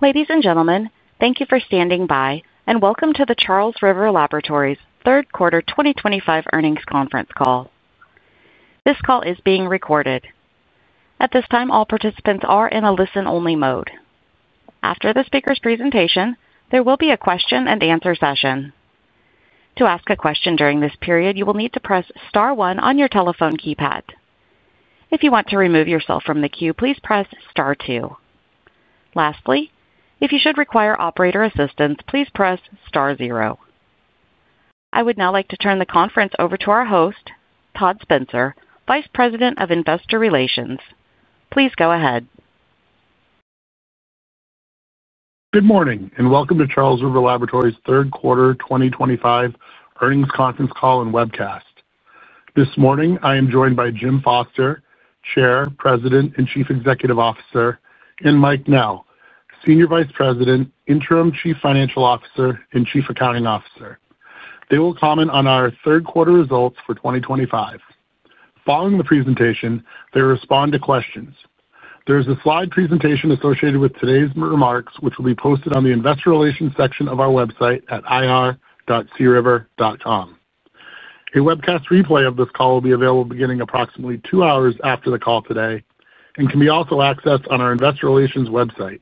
Ladies and gentlemen, thank you for standing by, and welcome to the Charles River Laboratories Third Quarter 2025 Earnings Conference Call. This call is being recorded. At this time, all participants are in a listen-only mode. After the speaker's presentation, there will be a question-and-answer session. To ask a question during this period, you will need to press star one on your telephone keypad. If you want to remove yourself from the queue, please press star two. Lastly, if you should require operator assistance, please press star zero. I would now like to turn the conference over to our host, Todd Spencer, Vice President of Investor Relations. Please go ahead. Good morning, and welcome to Charles River Laboratories third quarter 2025 earnings conference call and webcast. This morning, I am joined by Jim Foster, Chair, President, and Chief Executive Officer, and Mike Knell, Senior Vice President, Interim Chief Financial Officer, and Chief Accounting Officer. They will comment on our third quarter results for 2025. Following the presentation, they will respond to questions. There is a slide presentation associated with today's remarks, which will be posted on the Investor Relations section of our website at ir.criver.com. A webcast replay of this call will be available beginning approximately two hours after the call today and can also be accessed on our Investor Relations website.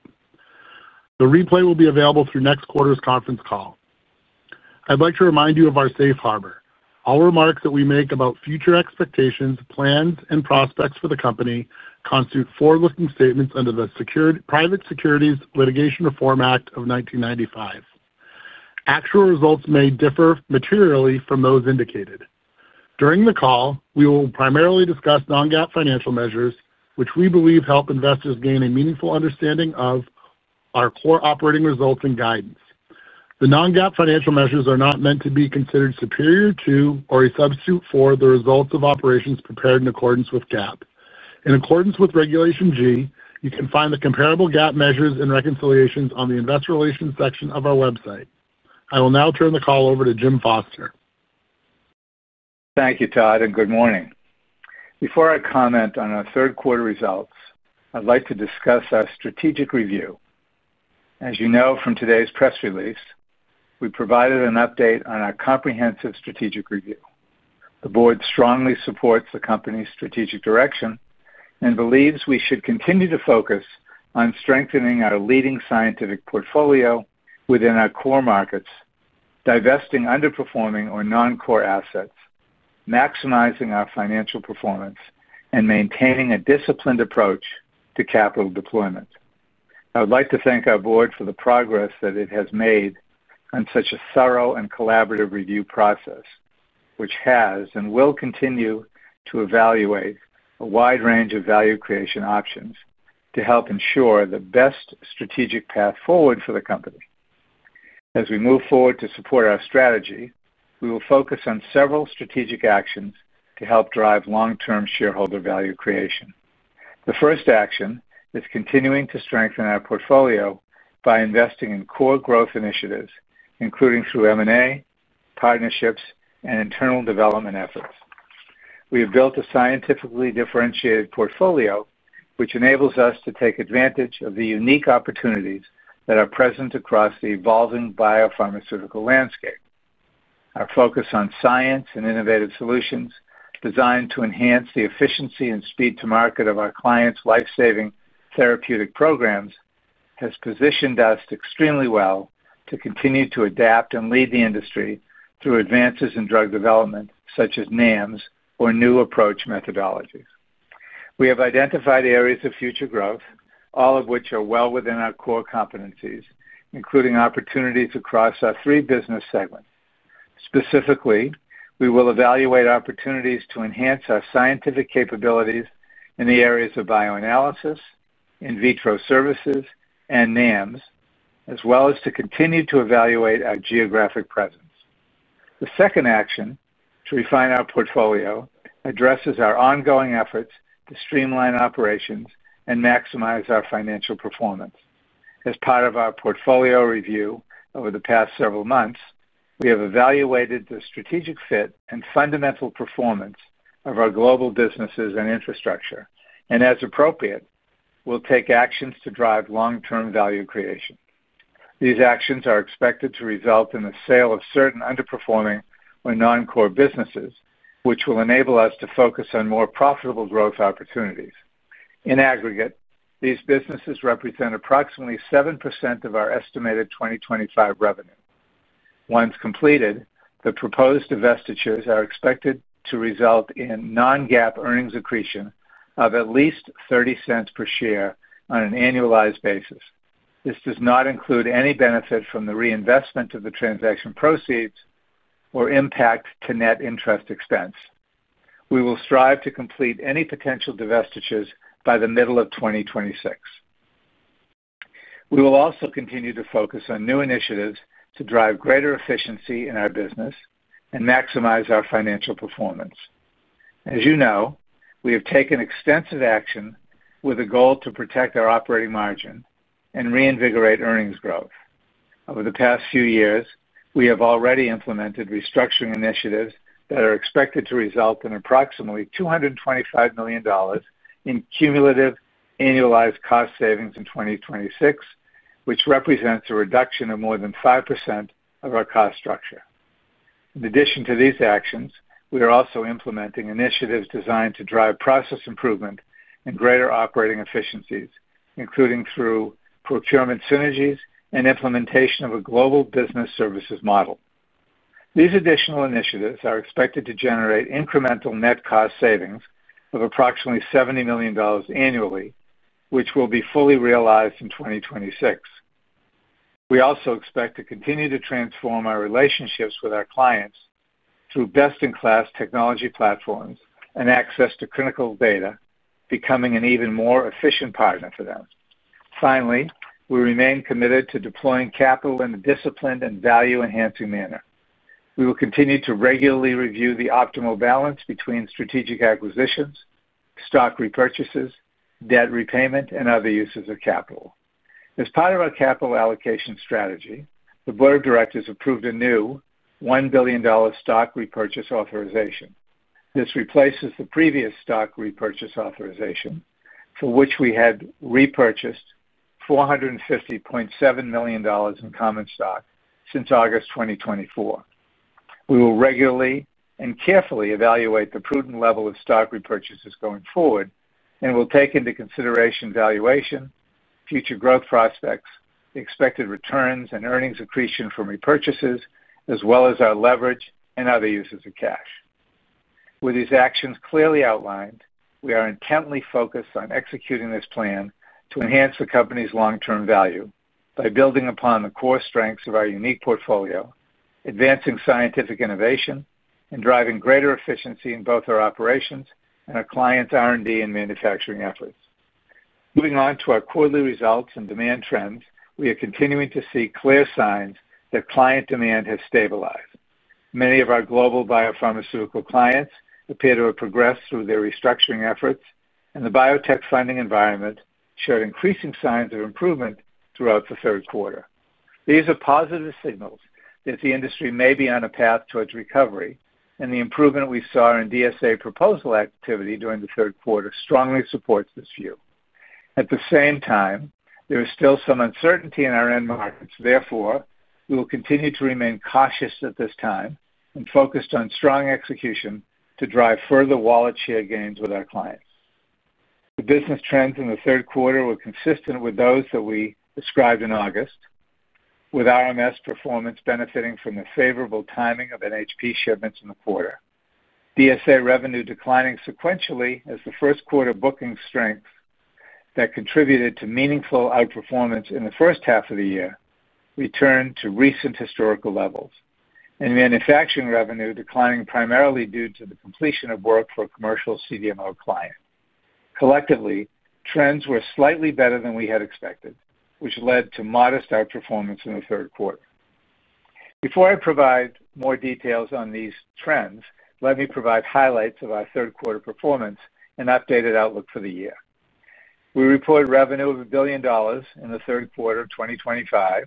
The replay will be available through next quarter's conference call. I'd like to remind you of our safe harbor. All remarks that we make about future expectations, plans, and prospects for the company constitute forward-looking statements under the Private Securities Litigation Reform Act of 1995. Actual results may differ materially from those indicated. During the call, we will primarily discuss non-GAAP financial measures, which we believe help investors gain a meaningful understanding of our core operating results and guidance. The non-GAAP financial measures are not meant to be considered superior to or a substitute for the results of operations prepared in accordance with GAAP. In accordance with Regulation G, you can find the comparable GAAP measures and reconciliations on the Investor Relations section of our website. I will now turn the call over to Jim Foster. Thank you, Todd, and good morning. Before I comment on our third quarter results, I'd like to discuss our strategic review. As you know from today's press release, we provided an update on our comprehensive strategic review. The board strongly supports the company's strategic direction and believes we should continue to focus on strengthening our leading scientific portfolio within our core markets, divesting underperforming or non-core assets, maximizing our financial performance, and maintaining a disciplined approach to capital deployment. I would like to thank our board for the progress that it has made on such a thorough and collaborative review process, which has and will continue to evaluate a wide range of value creation options to help ensure the best strategic path forward for the company. As we move forward to support our strategy, we will focus on several strategic actions to help drive long-term shareholder value creation. The first action is continuing to strengthen our portfolio by investing in core growth initiatives, including through M&A, partnerships, and internal development efforts. We have built a scientifically differentiated portfolio, which enables us to take advantage of the unique opportunities that are present across the evolving biopharmaceutical landscape. Our focus on science and innovative solutions designed to enhance the efficiency and speed to market of our clients' lifesaving therapeutic programs has positioned us extremely well to continue to adapt and lead the industry through advances in drug development, such as NAMs or new approach methodologies. We have identified areas of future growth, all of which are well within our core competencies, including opportunities across our three business segments. Specifically, we will evaluate opportunities to enhance our scientific capabilities in the areas of bioanalysis, in vitro services, and NAMs, as well as to continue to evaluate our geographic presence. The second action, to refine our portfolio, addresses our ongoing efforts to streamline operations and maximize our financial performance. As part of our portfolio review over the past several months, we have evaluated the strategic fit and fundamental performance of our global businesses and infrastructure, and as appropriate, we'll take actions to drive long-term value creation. These actions are expected to result in the sale of certain underperforming or non-core businesses, which will enable us to focus on more profitable growth opportunities. In aggregate, these businesses represent approximately 7% of our estimated 2025 revenue. Once completed, the proposed divestitures are expected to result in non-GAAP earnings accretion of at least $0.30 per share on an annualized basis. This does not include any benefit from the reinvestment of the transaction proceeds or impact to net interest expense. We will strive to complete any potential divestitures by the middle of 2026. We will also continue to focus on new initiatives to drive greater efficiency in our business and maximize our financial performance. As you know, we have taken extensive action with a goal to protect our operating margin and reinvigorate earnings growth. Over the past few years, we have already implemented restructuring initiatives that are expected to result in approximately $225 million in cumulative annualized cost savings in 2026, which represents a reduction of more than 5% of our cost structure. In addition to these actions, we are also implementing initiatives designed to drive process improvement and greater operating efficiencies, including through procurement synergies and implementation of a global business services model. These additional initiatives are expected to generate incremental net cost savings of approximately $70 million annually, which will be fully realized in 2026. We also expect to continue to transform our relationships with our clients through best-in-class technology platforms and access to critical data, becoming an even more efficient partner for them. Finally, we remain committed to deploying capital in a disciplined and value-enhancing manner. We will continue to regularly review the optimal balance between strategic acquisitions, stock repurchases, debt repayment, and other uses of capital. As part of our capital allocation strategy, the Board of Directors approved a new $1 billion stock repurchase authorization. This replaces the previous stock repurchase authorization, for which we had repurchased $450.7 million in common stock since August 2024. We will regularly and carefully evaluate the prudent level of stock repurchases going forward and will take into consideration valuation, future growth prospects, expected returns, and earnings accretion from repurchases, as well as our leverage and other uses of cash. With these actions clearly outlined, we are intently focused on executing this plan to enhance the company's long-term value by building upon the core strengths of our unique portfolio, advancing scientific innovation, and driving greater efficiency in both our operations and our clients' R&D and manufacturing efforts. Moving on to our quarterly results and demand trends, we are continuing to see clear signs that client demand has stabilized. Many of our global biopharmaceutical clients appear to have progressed through their restructuring efforts, and the biotech funding environment showed increasing signs of improvement throughout the third quarter. These are positive signals that the industry may be on a path towards recovery, and the improvement we saw in DSA proposal activity during the third quarter strongly supports this view. At the same time, there is still some uncertainty in our end markets. Therefore, we will continue to remain cautious at this time and focused on strong execution to drive further wallet share gains with our clients. The business trends in the third quarter were consistent with those that we described in August. With RMS performance benefiting from the favorable timing of NHP shipments in the quarter, DSA revenue declining sequentially as the first quarter booking strengths that contributed to meaningful outperformance in the first half of the year returned to recent historical levels, and manufacturing revenue declining primarily due to the completion of work for a commercial CDMO client. Collectively, trends were slightly better than we had expected, which led to modest outperformance in the third quarter. Before I provide more details on these trends, let me provide highlights of our third quarter performance and updated outlook for the year. We reported revenue of $1 billion in the third quarter of 2025,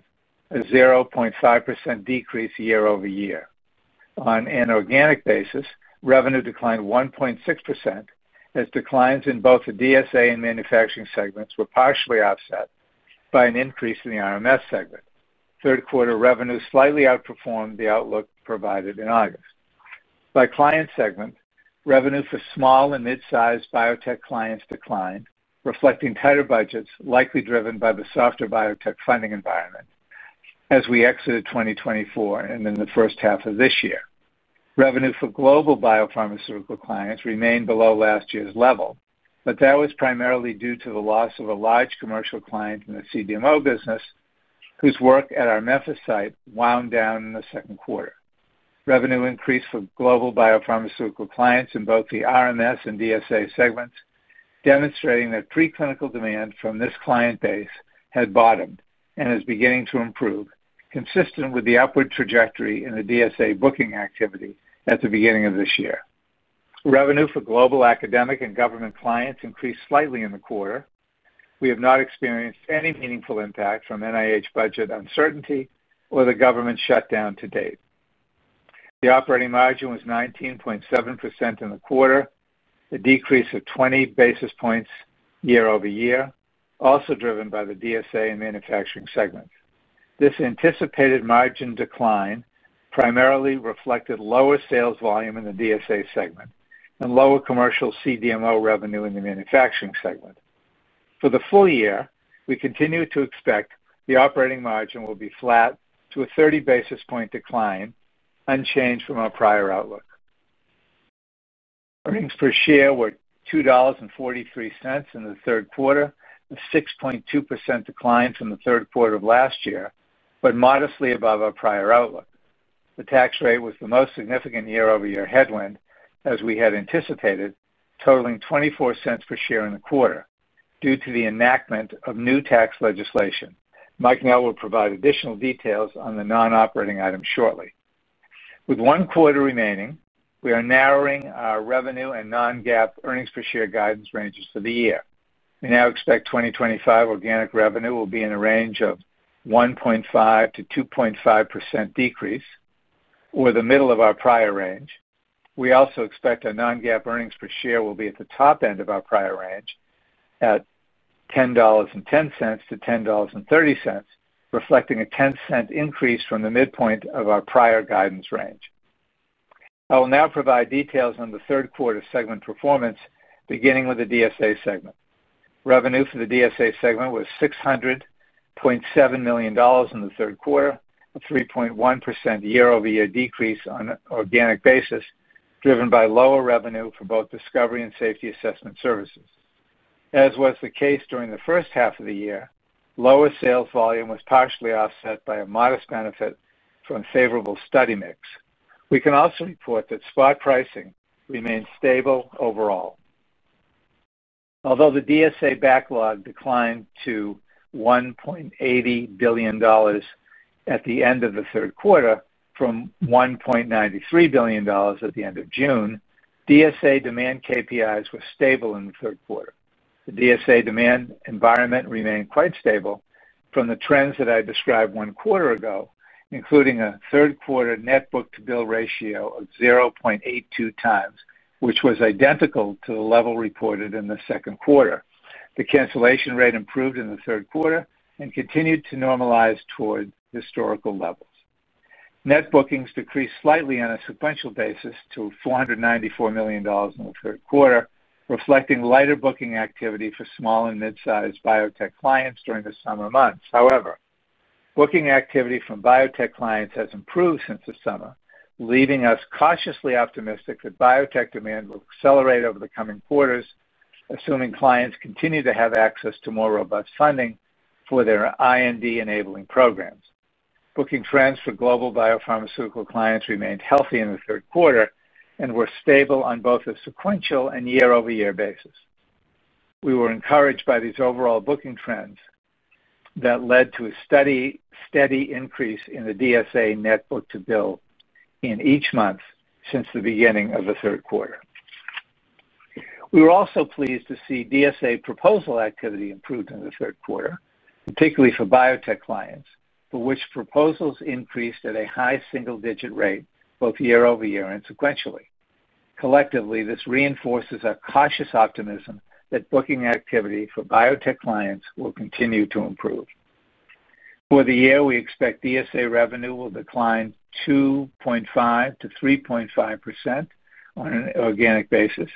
a 0.5% decrease year-over-year. On an organic basis, revenue declined 1.6%, as declines in both the DSA and manufacturing segments were partially offset by an increase in the RMS segment. Third quarter revenue slightly outperformed the outlook provided in August. By client segment, revenue for small and mid-sized biotech clients declined, reflecting tighter budgets likely driven by the softer biotech funding environment as we exited 2024 and in the first half of this year. Revenue for global biopharmaceutical clients remained below last year's level, but that was primarily due to the loss of a large commercial client in the CDMO business, whose work at our Memphis site wound down in the second quarter. Revenue increased for global biopharmaceutical clients in both the RMS and DSA segments, demonstrating that preclinical demand from this client base had bottomed and is beginning to improve, consistent with the upward trajectory in the DSA booking activity at the beginning of this year. Revenue for global academic and government clients increased slightly in the quarter. We have not experienced any meaningful impact from NIH budget uncertainty or the government shutdown to date. The operating margin was 19.7% in the quarter, a decrease of 20 basis points year-over-year, also driven by the DSA and manufacturing segment. This anticipated margin decline primarily reflected lower sales volume in the DSA segment and lower commercial CDMO revenue in the manufacturing segment. For the full year, we continue to expect the operating margin will be flat to a 30 basis point decline, unchanged from our prior outlook. Earnings per share were $2.43 in the third quarter, a 6.2% decline from the third quarter of last year, but modestly above our prior outlook. The tax rate was the most significant year-over-year headwind, as we had anticipated, totaling $0.24 per share in the quarter due to the enactment of new tax legislation. Mike Knell will provide additional details on the non-operating item shortly. With one quarter remaining, we are narrowing our revenue and non-GAAP earnings per share guidance ranges for the year. We now expect 2025 organic revenue will be in a range of 1.5%-2.5% decrease or the middle of our prior range. We also expect our non-GAAP earnings per share will be at the top end of our prior range at $10.10-$10.30, reflecting a $0.10 increase from the midpoint of our prior guidance range. I will now provide details on the third quarter segment performance, beginning with the DSA segment. Revenue for the DSA segment was $600.7 million in the third quarter, a 3.1% year-over-year decrease on an organic basis, driven by lower revenue for both discovery and safety assessment services. As was the case during the first half of the year, lower sales volume was partially offset by a modest benefit from favorable study mix. We can also report that spot pricing remained stable overall. Although the DSA backlog declined to $1.80 billion at the end of the third quarter from $1.93 billion at the end of June, DSA demand KPIs were stable in the third quarter. The DSA demand environment remained quite stable from the trends that I described one quarter ago, including a third quarter net book-to-bill ratio of 0.82 times, which was identical to the level reported in the second quarter. The cancellation rate improved in the third quarter and continued to normalize toward historical levels. Net bookings decreased slightly on a sequential basis to $494 million in the third quarter, reflecting lighter booking activity for small and mid-sized biotech clients during the summer months. However, booking activity from biotech clients has improved since the summer, leaving us cautiously optimistic that biotech demand will accelerate over the coming quarters, assuming clients continue to have access to more robust funding for their IND-enabling programs. Booking trends for global biopharmaceutical clients remained healthy in the third quarter and were stable on both a sequential and year-over-year basis. We were encouraged by these overall booking trends that led to a steady increase in the DSA net book-to-bill in each month since the beginning of the third quarter. We were also pleased to see DSA proposal activity improved in the third quarter, particularly for biotech clients, for which proposals increased at a high single-digit rate, both year-over-year and sequentially. Collectively, this reinforces our cautious optimism that booking activity for biotech clients will continue to improve. For the year, we expect DSA revenue will decline 2.5%-3.5% on an organic basis.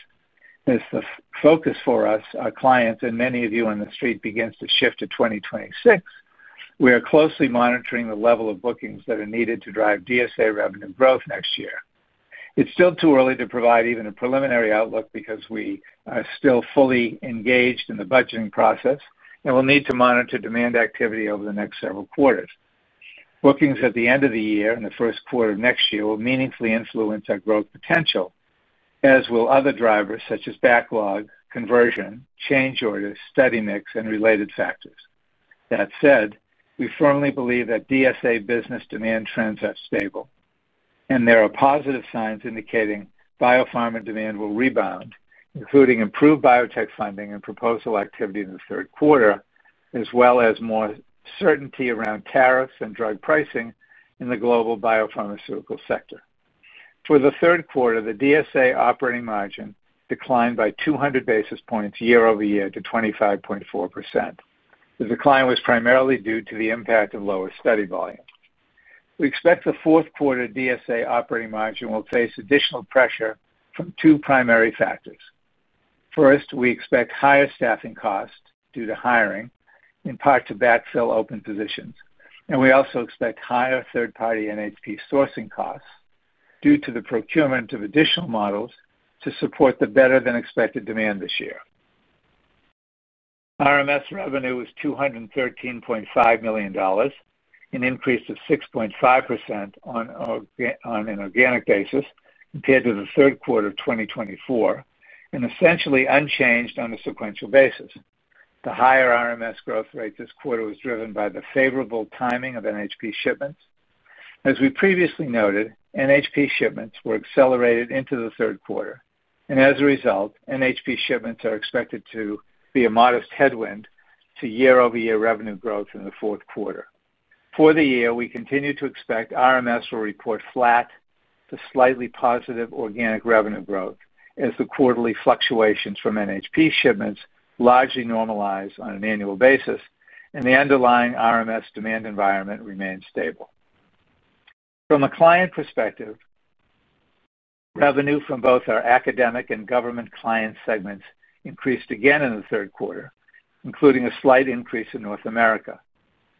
As the focus for us, our clients, and many of you on the street, begins to shift to 2026, we are closely monitoring the level of bookings that are needed to drive DSA revenue growth next year. It's still too early to provide even a preliminary outlook because we are still fully engaged in the budgeting process and will need to monitor demand activity over the next several quarters. Bookings at the end of the year and the first quarter of next year will meaningfully influence our growth potential. As will other drivers such as backlog, conversion, change orders, study mix, and related factors. That said, we firmly believe that DSA business demand trends are stable, and there are positive signs indicating biopharma demand will rebound, including improved biotech funding and proposal activity in the third quarter, as well as more certainty around tariffs and drug pricing in the global biopharmaceutical sector. For the third quarter, the DSA operating margin declined by 200 basis points year-over-year to 25.4%. The decline was primarily due to the impact of lower study volume. We expect the fourth quarter DSA operating margin will face additional pressure from two primary factors. First, we expect higher staffing costs due to hiring in part to backfill open positions, and we also expect higher third-party NHP sourcing costs due to the procurement of additional models to support the better-than-expected demand this year. RMS revenue was $213.5 million, an increase of 6.5% on an organic basis compared to the third quarter of 2024, and essentially unchanged on a sequential basis. The higher RMS growth rate this quarter was driven by the favorable timing of NHP shipments. As we previously noted, NHP shipments were accelerated into the third quarter, and as a result, NHP shipments are expected to be a modest headwind to year-over-year revenue growth in the fourth quarter. For the year, we continue to expect RMS will report flat to slightly positive organic revenue growth as the quarterly fluctuations from NHP shipments largely normalize on an annual basis, and the underlying RMS demand environment remains stable. From a client perspective, revenue from both our academic and government client segments increased again in the third quarter, including a slight increase in North America.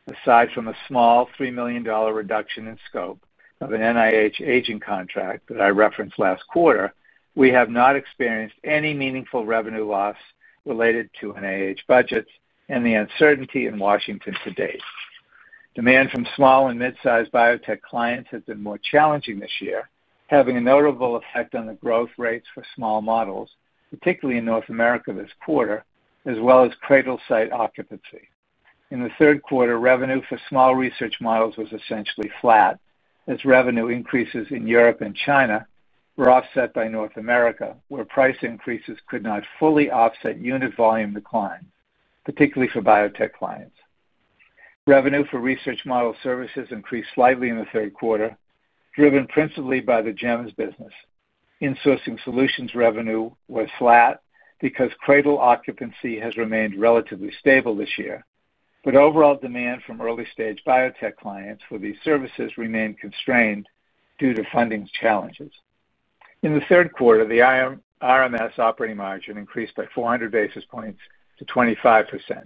Aside from a small $3 million reduction in scope of an NIH agent contract that I referenced last quarter, we have not experienced any meaningful revenue loss related to NIH budgets and the uncertainty in Washington to date. Demand from small and mid-sized biotech clients has been more challenging this year, having a notable effect on the growth rates for small models, particularly in North America this quarter, as well as cradle site occupancy. In the third quarter, revenue for small research models was essentially flat, as revenue increases in Europe and China were offset by North America, where price increases could not fully offset unit volume declines, particularly for biotech clients. Revenue for research model services increased slightly in the third quarter, driven principally by the GEMS business. Insourcing Solutions revenue was flat because cradle occupancy has remained relatively stable this year, but overall demand from early-stage biotech clients for these services remained constrained due to funding challenges. In the third quarter, the RMS operating margin increased by 400 basis points to 25%.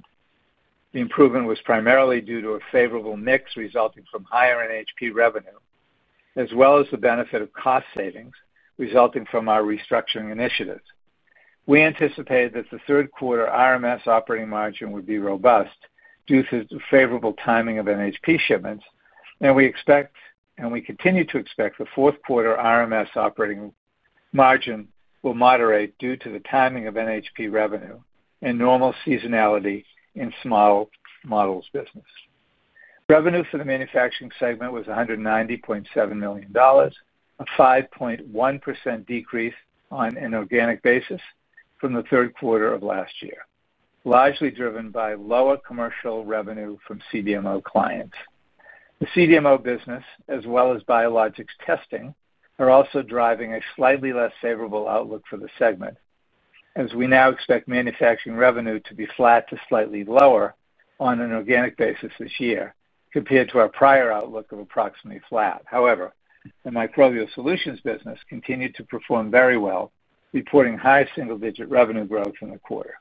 The improvement was primarily due to a favorable mix resulting from higher NHP revenue, as well as the benefit of cost savings resulting from our restructuring initiatives. We anticipate that the third quarter RMS operating margin will be robust due to the favorable timing of NHP shipments, and we expect, and we continue to expect, the fourth quarter RMS operating margin will moderate due to the timing of NHP revenue and normal seasonality in small models business. Revenue for the manufacturing segment was $190.7 million, a 5.1% decrease on an organic basis from the third quarter of last year, largely driven by lower commercial revenue from CDMO clients. The CDMO business, as well as biologics testing, are also driving a slightly less favorable outlook for the segment, as we now expect manufacturing revenue to be flat to slightly lower on an organic basis this year compared to our prior outlook of approximately flat. However, the microbial solutions business continued to perform very well, reporting high single-digit revenue growth in the quarter.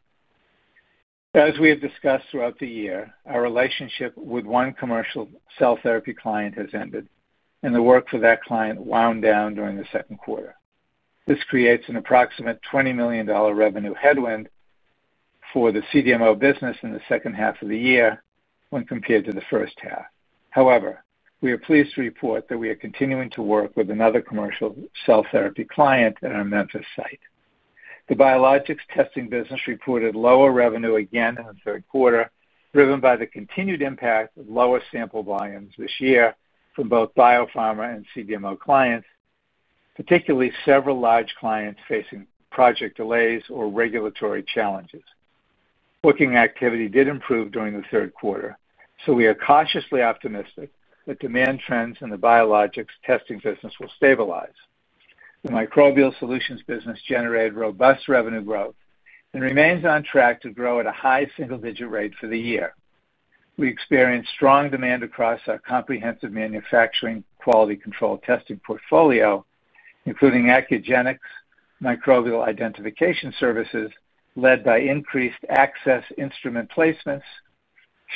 As we have discussed throughout the year, our relationship with one commercial cell therapy client has ended, and the work for that client wound down during the second quarter. This creates an approximate $20 million revenue headwind for the CDMO business in the second half of the year when compared to the first half. However, we are pleased to report that we are continuing to work with another commercial cell therapy client at our Memphis site. The biologics testing business reported lower revenue again in the third quarter, driven by the continued impact of lower sample volumes this year from both biopharma and CDMO clients, particularly several large clients facing project delays or regulatory challenges. Booking activity did improve during the third quarter, so we are cautiously optimistic that demand trends in the biologics testing business will stabilize. The Microbial Solutions business generated robust revenue growth and remains on track to grow at a high single-digit rate for the year. We experienced strong demand across our comprehensive manufacturing quality control testing portfolio, including Accugenix microbial identification services led by increased access instrument placements,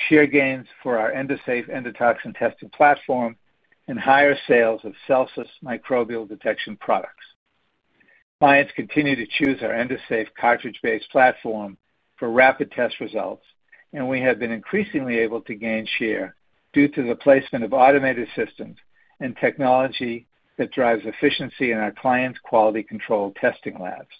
share gains for our Endosafe endotoxin testing platform, and higher sales of Celsis microbial detection products. Clients continue to choose our Endosafe cartridge-based platform for rapid test results, and we have been increasingly able to gain share due to the placement of automated systems and technology that drives efficiency in our clients' quality control testing labs.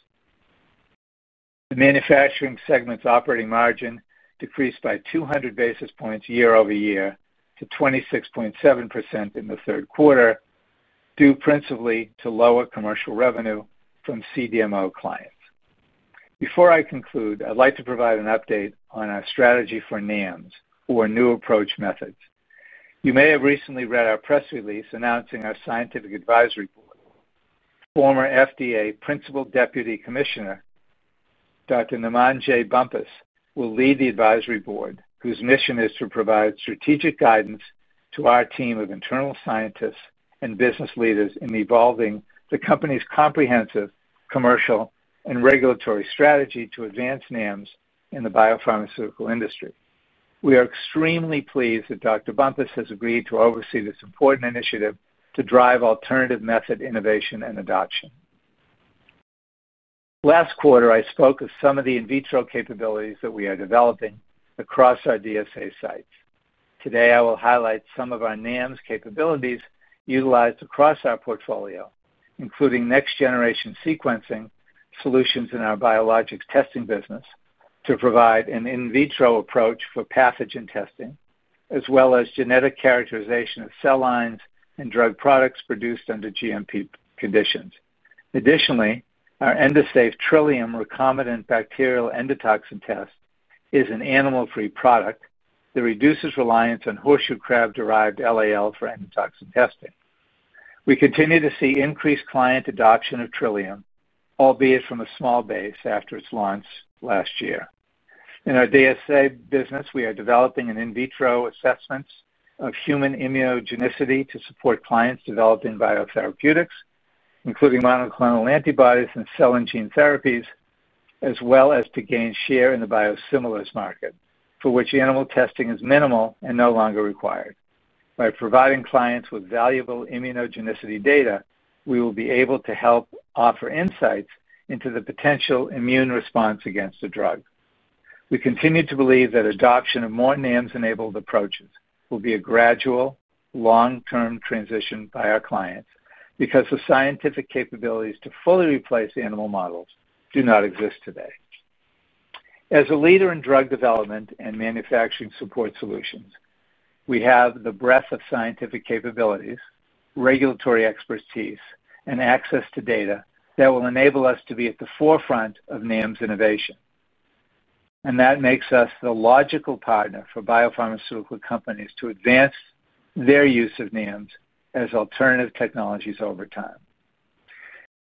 The Manufacturing segment's operating margin decreased by 200 basis points year-over-year to 26.7% in the third quarter due principally to lower commercial revenue from CDMO clients. Before I conclude, I'd like to provide an update on our strategy for NAMs, or new approach methods. You may have recently read our press release announcing our scientific advisory board. Former FDA Principal Deputy Commissioner Dr. Namandje Bumpus will lead the advisory board whose mission is to provide strategic guidance to our team of internal scientists and business leaders in evolving the company's comprehensive commercial and regulatory strategy to advance NAMs in the biopharmaceutical industry. We are extremely pleased that Dr. Bumpus has agreed to oversee this important initiative to drive alternative method innovation and adoption. Last quarter, I spoke of some of the in vitro capabilities that we are developing across our DSA sites. Today, I will highlight some of our NAMs capabilities utilized across our portfolio, including next-generation sequencing solutions in our biologics testing business to provide an in vitro approach for pathogen testing, as well as genetic characterization of cell lines and drug products produced under GMP conditions. Additionally, our Endosafe Trillium recombinant bacterial endotoxin test is an animal-free product that reduces reliance on horseshoe crab-derived LAL for endotoxin testing. We continue to see increased client adoption of Trillium, albeit from a small base after its launch last year. In our DSA business, we are developing an in vitro assessment of human immunogenicity to support clients developing biotherapeutics, including monoclonal antibodies and cell and gene therapies, as well as to gain share in the biosimilars market, for which animal testing is minimal and no longer required. By providing clients with valuable immunogenicity data, we will be able to help offer insights into the potential immune response against the drug. We continue to believe that adoption of more NAMs-enabled approaches will be a gradual, long-term transition by our clients because the scientific capabilities to fully replace animal models do not exist today. As a leader in drug development and manufacturing support solutions, we have the breadth of scientific capabilities, regulatory expertise, and access to data that will enable us to be at the forefront of NAMs innovation. That makes us the logical partner for biopharmaceutical companies to advance their use of NAMs as alternative technologies over time.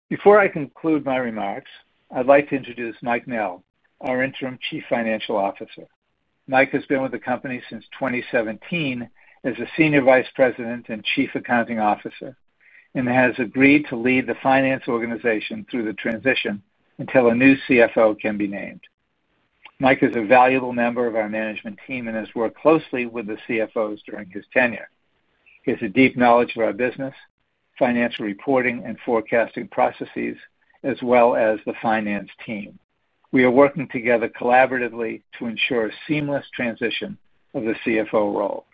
Before I conclude my remarks, I'd like to introduce Mike Knell, our interim Chief Financial Officer. Mike has been with the company since 2017 as a Senior Vice President and Chief Accounting Officer and has agreed to lead the finance organization through the transition until a new CFO can be named. Mike is a valuable member of our management team and has worked closely with the CFOs during his tenure. He has a deep knowledge of our business, financial reporting, and forecasting processes, as well as the finance team. We are working together collaboratively to ensure a seamless transition of the CFO role.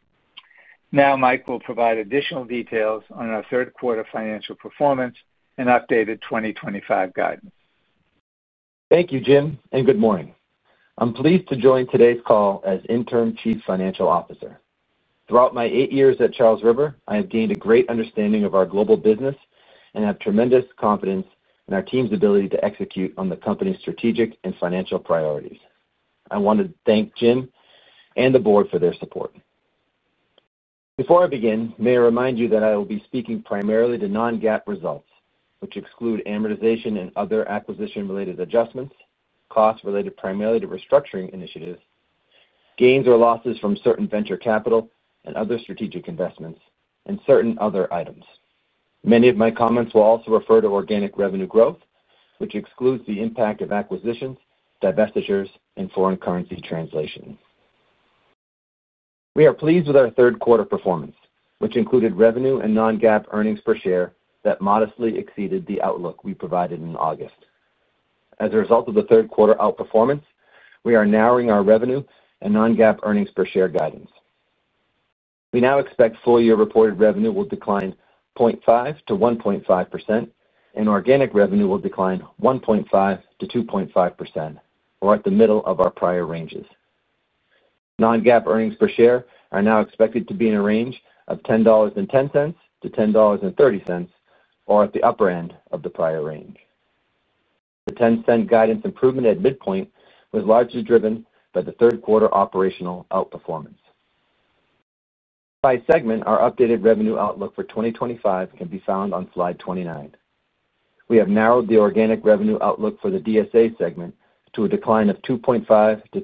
Now, Mike will provide additional details on our third-quarter financial performance and updated 2025 guidance. Thank you, Jim, and good morning. I'm pleased to join today's call as Interim Chief Financial Officer. Throughout my eight years at Charles River, I have gained a great understanding of our global business and have tremendous confidence in our team's ability to execute on the company's strategic and financial priorities. I want to thank Jim and the board for their support. Before I begin, may I remind you that I will be speaking primarily to non-GAAP results, which exclude amortization and other acquisition-related adjustments, costs related primarily to restructuring initiatives, gains or losses from certain venture capital and other strategic investments, and certain other items. Many of my comments will also refer to organic revenue growth, which excludes the impact of acquisitions, divestitures, and foreign currency translations. We are pleased with our third-quarter performance, which included revenue and non-GAAP earnings per share that modestly exceeded the outlook we provided in August. As a result of the third-quarter outperformance, we are narrowing our revenue and non-GAAP earnings per share guidance. We now expect full-year reported revenue will decline 0.5%-1.5%, and organic revenue will decline 1.5%-2.5%, or at the middle of our prior ranges. Non-GAAP earnings per share are now expected to be in a range of $10.10-$10.30, or at the upper end of the prior range. The $0.10 guidance improvement at midpoint was largely driven by the third-quarter operational outperformance. By segment, our updated revenue outlook for 2025 can be found on slide 29. We have narrowed the organic revenue outlook for the DSA segment to a decline of 2.5-3.5% to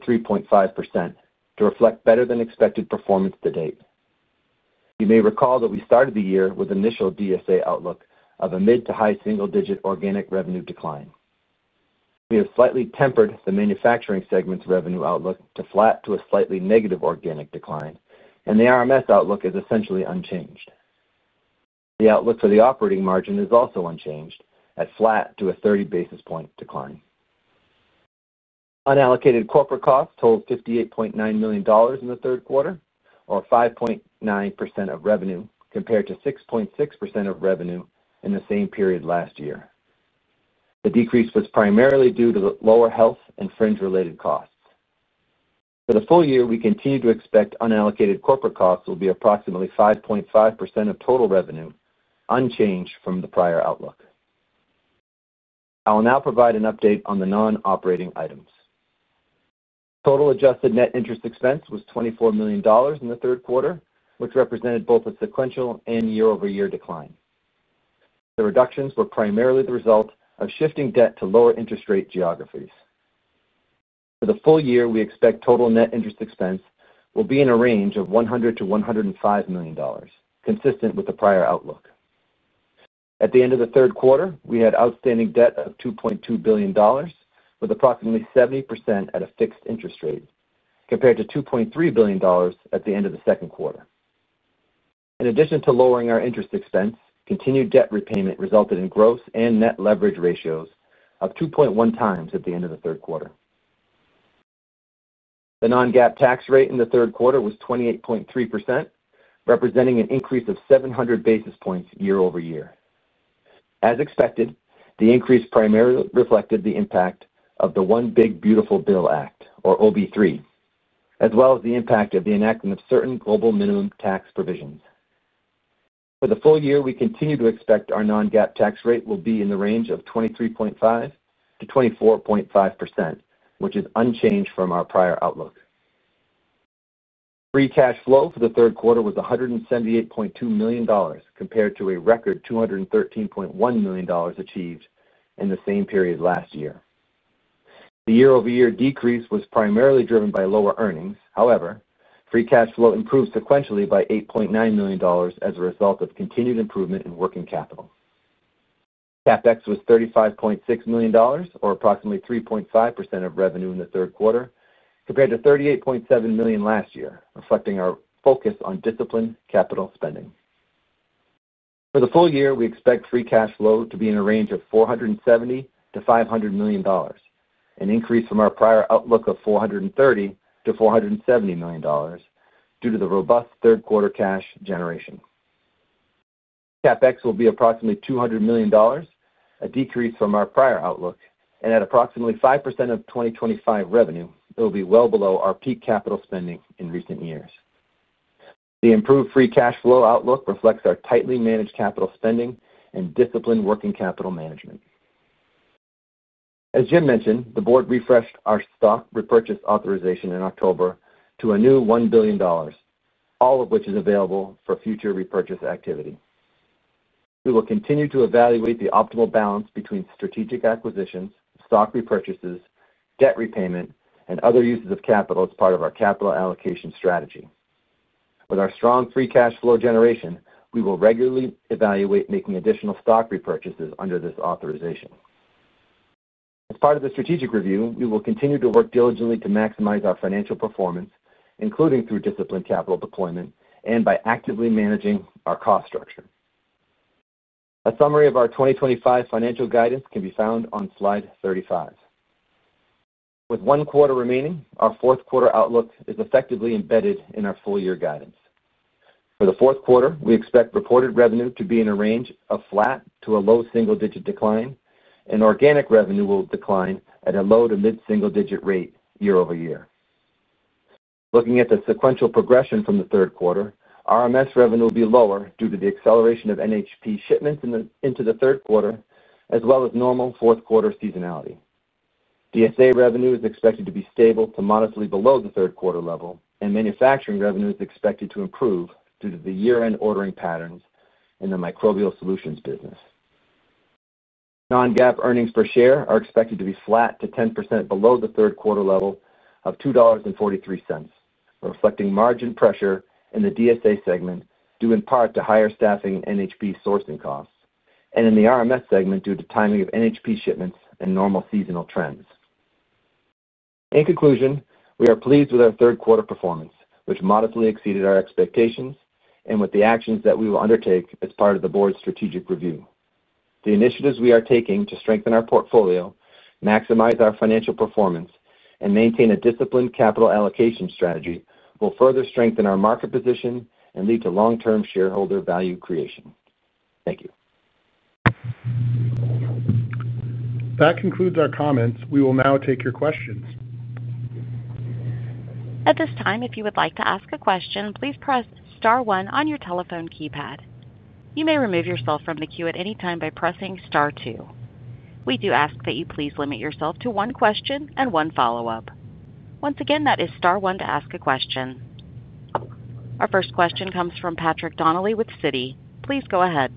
reflect better-than-expected performance to date. You may recall that we started the year with an initial DSA outlook of a mid to high single-digit organic revenue decline. We have slightly tempered the manufacturing segment's revenue outlook to flat to a slightly negative organic decline, and the RMS outlook is essentially unchanged. The outlook for the operating margin is also unchanged at flat to a 30 basis point decline. Unallocated corporate costs totaled $58.9 million in the third quarter, or 5.9% of revenue compared to 6.6% of revenue in the same period last year. The decrease was primarily due to the lower health and fringe-related costs. For the full year, we continue to expect unallocated corporate costs will be approximately 5.5% of total revenue, unchanged from the prior outlook. I will now provide an update on the non-operating items. Total adjusted net interest expense was $24 million in the third quarter, which represented both a sequential and year-over-year decline. The reductions were primarily the result of shifting debt to lower interest rate geographies. For the full year, we expect total net interest expense will be in a range of $100 million-$105 million, consistent with the prior outlook. At the end of the third quarter, we had outstanding debt of $2.2 billion, with approximately 70% at a fixed interest rate compared to $2.3 billion at the end of the second quarter. In addition to lowering our interest expense, continued debt repayment resulted in gross and net leverage ratios of 2.1 times at the end of the third quarter. The non-GAAP tax rate in the third quarter was 28.3%, representing an increase of 700 basis points year-over-year. As expected, the increase primarily reflected the impact of the One Big Beautiful Bill Act, or OB-3, as well as the impact of the enactment of certain global minimum tax provisions. For the full year, we continue to expect our non-GAAP tax rate will be in the range of 23.5%-24.5%, which is unchanged from our prior outlook. Free cash flow for the third quarter was $178.2 million compared to a record $213.1 million achieved in the same period last year. The year-over-year decrease was primarily driven by lower earnings. However, free cash flow improved sequentially by $8.9 million as a result of continued improvement in working capital. CapEx was $35.6 million, or approximately 3.5% of revenue in the third quarter, compared to $38.7 million last year, reflecting our focus on disciplined capital spending. For the full year, we expect free cash flow to be in a range of $470 million-$500 million, an increase from our prior outlook of $430 million-$470 million due to the robust third-quarter cash generation. CapEx will be approximately $200 million, a decrease from our prior outlook, and at approximately 5% of 2025 revenue, it will be well below our peak capital spending in recent years. The improved free cash flow outlook reflects our tightly managed capital spending and disciplined working capital management. As Jim mentioned, the board refreshed our stock repurchase authorization in October to a new $1 billion, all of which is available for future repurchase activity. We will continue to evaluate the optimal balance between strategic acquisitions, stock repurchases, debt repayment, and other uses of capital as part of our capital allocation strategy. With our strong free cash flow generation, we will regularly evaluate making additional stock repurchases under this authorization. As part of the strategic review, we will continue to work diligently to maximize our financial performance, including through disciplined capital deployment and by actively managing our cost structure. A summary of our 2025 financial guidance can be found on slide 35. With one quarter remaining, our fourth-quarter outlook is effectively embedded in our full-year guidance. For the fourth quarter, we expect reported revenue to be in a range of flat to a low single-digit decline, and organic revenue will decline at a low to mid-single-digit rate year-over-year. Looking at the sequential progression from the third quarter, RMS revenue will be lower due to the acceleration of NHP shipments into the third quarter, as well as normal fourth-quarter seasonality. DSA revenue is expected to be stable to modestly below the third-quarter level, and manufacturing revenue is expected to improve due to the year-end ordering patterns in the microbial solutions business. Non-GAAP earnings per share are expected to be flat to 10% below the third-quarter level of $2.43, reflecting margin pressure in the DSA segment due in part to higher staffing and NHP sourcing costs, and in the RMS segment due to timing of NHP shipments and normal seasonal trends. In conclusion, we are pleased with our third-quarter performance, which modestly exceeded our expectations and with the actions that we will undertake as part of the board's strategic review. The initiatives we are taking to strengthen our portfolio, maximize our financial performance, and maintain a disciplined capital allocation strategy will further strengthen our market position and lead to long-term shareholder value creation. Thank you. That concludes our comments. We will now take your questions. At this time, if you would like to ask a question, please press star one on your telephone keypad. You may remove yourself from the queue at any time by pressing star two. We do ask that you please limit yourself to one question and one follow-up. Once again, that is star one to ask a question. Our first question comes from Patrick Donnelly with Citi. Please go ahead.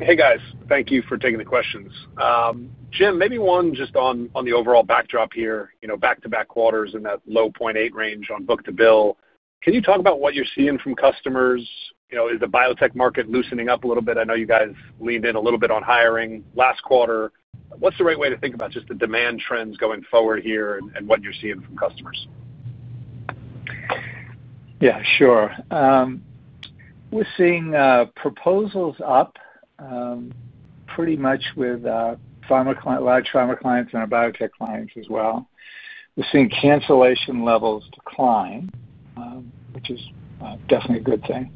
Hey, guys. Thank you for taking the questions. Jim, maybe one just on the overall backdrop here, back-to-back quarters in that low 0.8 range on book-to-bill. Can you talk about what you're seeing from customers? Is the biotech market loosening up a little bit? I know you guys leaned in a little bit on hiring last quarter. What's the right way to think about just the demand trends going forward here and what you're seeing from customers? Yeah, sure. We're seeing proposals up. Pretty much with large pharma clients and our biotech clients as well. We're seeing cancellation levels decline, which is definitely a good thing.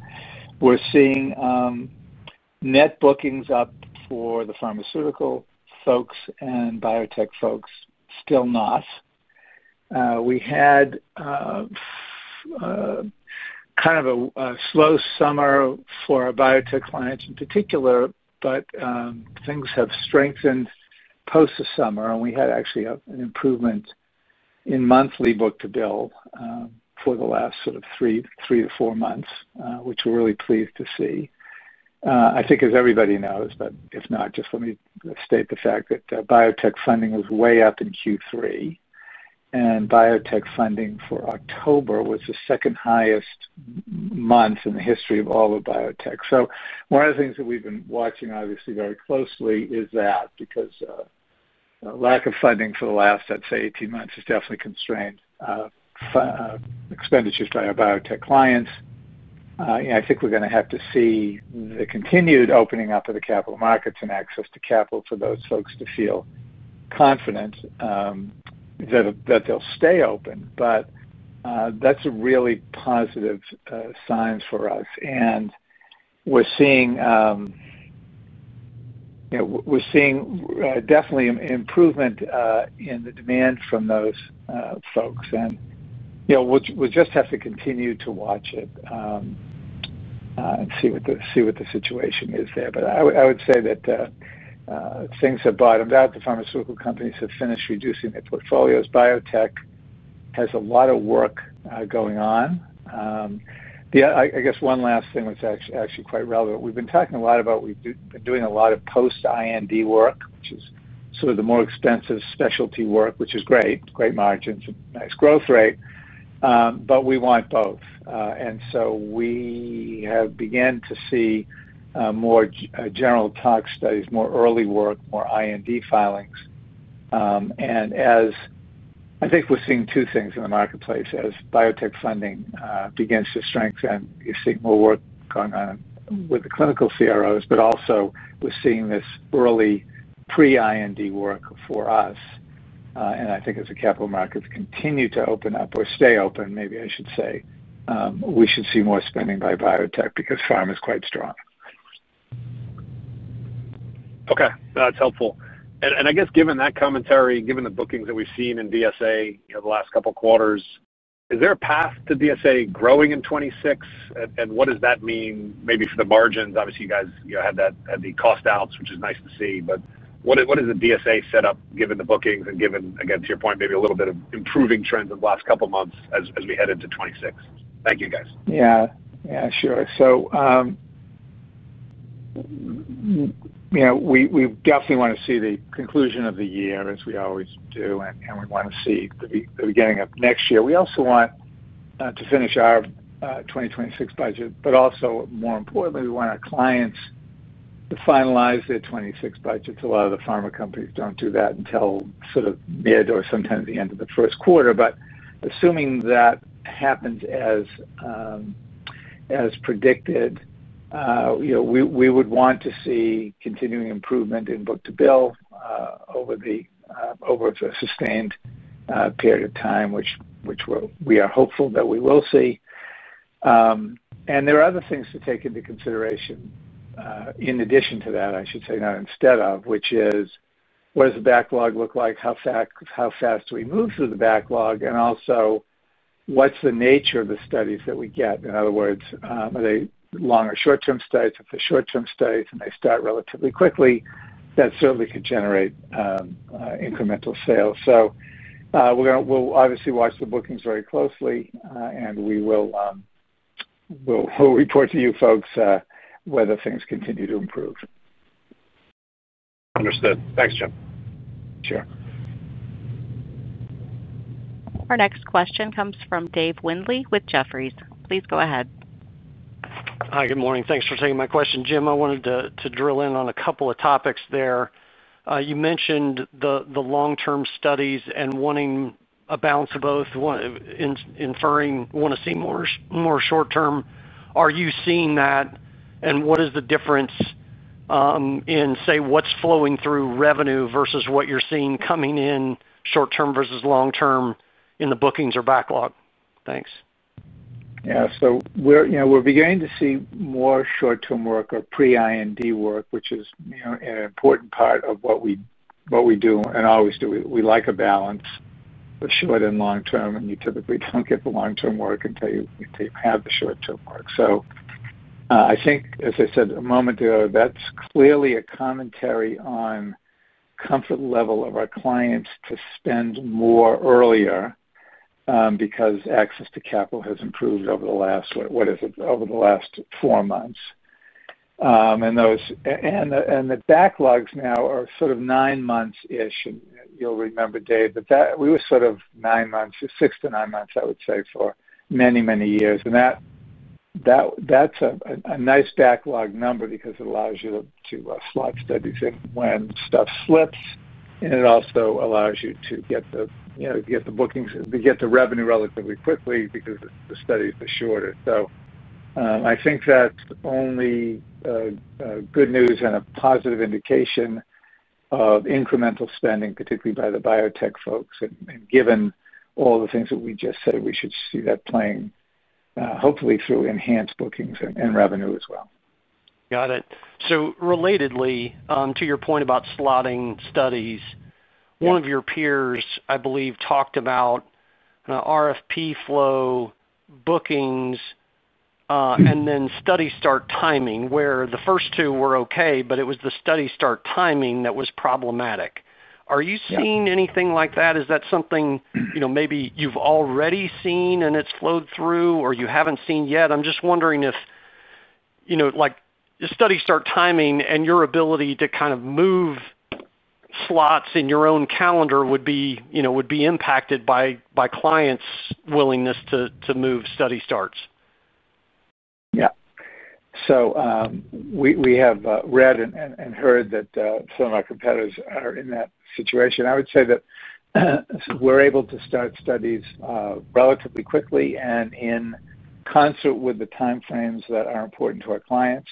We're seeing net bookings up for the pharmaceutical folks and biotech folks. Still not. We had kind of a slow summer for our biotech clients in particular, but things have strengthened post-summer, and we had actually an improvement in monthly book to bill for the last sort of three to four months, which we're really pleased to see. I think, as everybody knows, but if not, just let me state the fact that biotech funding is way up in Q3. And biotech funding for October was the second highest month in the history of all of biotech. One of the things that we've been watching, obviously, very closely is that because lack of funding for the last, I'd say, 18 months has definitely constrained expenditures by our biotech clients. I think we're going to have to see the continued opening up of the capital markets and access to capital for those folks to feel confident that they'll stay open. That's a really positive sign for us. We're seeing definitely an improvement in the demand from those folks. We'll just have to continue to watch it and see what the situation is there. I would say that things have bottomed out. The pharmaceutical companies have finished reducing their portfolios. Biotech has a lot of work going on. I guess one last thing that's actually quite relevant. We've been talking a lot about we've been doing a lot of post-IND work, which is sort of the more expensive specialty work, which is great. Great margins and nice growth rate. We want both. We have begun to see more general tox studies, more early work, more IND filings. I think we're seeing two things in the marketplace as biotech funding begins to strengthen. You're seeing more work going on with the clinical CROs, but also we're seeing this early pre-IND work for us. I think as the capital markets continue to open up or stay open, maybe I should say, we should see more spending by biotech because pharma is quite strong. Okay. That's helpful. I guess, given that commentary, given the bookings that we've seen in DSA the last couple of quarters, is there a path to DSA growing in 2026? What does that mean maybe for the margins? Obviously, you guys had the cost outs, which is nice to see. What is the DSA setup given the bookings and given, again, to your point, maybe a little bit of improving trends in the last couple of months as we head into 2026? Thank you, guys. Yeah. Yeah, sure. We definitely want to see the conclusion of the year, as we always do, and we want to see the beginning of next year. We also want to finish our 2026 budget, but also, more importantly, we want our clients to finalize their 2026 budgets. A lot of the pharma companies do not do that until sort of mid or sometimes the end of the first quarter. Assuming that happens as predicted, we would want to see continuing improvement in book to bill over. A sustained period of time, which we are hopeful that we will see. There are other things to take into consideration. In addition to that, I should say, not instead of, which is, what does the backlog look like? How fast do we move through the backlog? Also, what's the nature of the studies that we get? In other words, are they long or short-term studies? If they're short-term studies and they start relatively quickly, that certainly could generate incremental sales. We'll obviously watch the bookings very closely, and we will report to you folks whether things continue to improve. Understood. Thanks, Jim. Sure. Our next question comes from Dave Windley with Jefferies. Please go ahead. Hi. Good morning. Thanks for taking my question, Jim. I wanted to drill in on a couple of topics there. You mentioned the long-term studies and wanting a balance of both. Inferring you want to see more short-term. Are you seeing that? What is the difference, in, say, what's flowing through revenue versus what you're seeing coming in short-term versus long-term in the bookings or backlog? Thanks. Yeah. We're beginning to see more short-term work or pre-IND work, which is an important part of what we do and always do. We like a balance of short and long-term, and you typically don't get the long-term work until you have the short-term work. I think, as I said a moment ago, that's clearly a commentary on comfort level of our clients to spend more earlier because access to capital has improved over the last, what is it, over the last four months. The backlogs now are sort of nine months-ish. You'll remember, Dave, that we were sort of nine months, six to nine months, I would say, for many, many years. That's a nice backlog number because it allows you to slot studies in when stuff slips. It also allows you to get the bookings and to get the revenue relatively quickly because the studies are shorter. I think that's only good news and a positive indication of incremental spending, particularly by the biotech folks. Given all the things that we just said, we should see that playing, hopefully, through enhanced bookings and revenue as well. Got it. Relatedly to your point about slotting studies, one of your peers, I believe, talked about RFP flow, bookings, and then study start timing, where the first two were okay, but it was the study start timing that was problematic. Are you seeing anything like that? Is that something maybe you've already seen and it's flowed through, or you haven't seen yet? I'm just wondering if the study start timing and your ability to kind of move slots in your own calendar would be impacted by clients' willingness to move study starts. Yeah. We have read and heard that some of our competitors are in that situation. I would say that we're able to start studies relatively quickly and in concert with the timeframes that are important to our clients.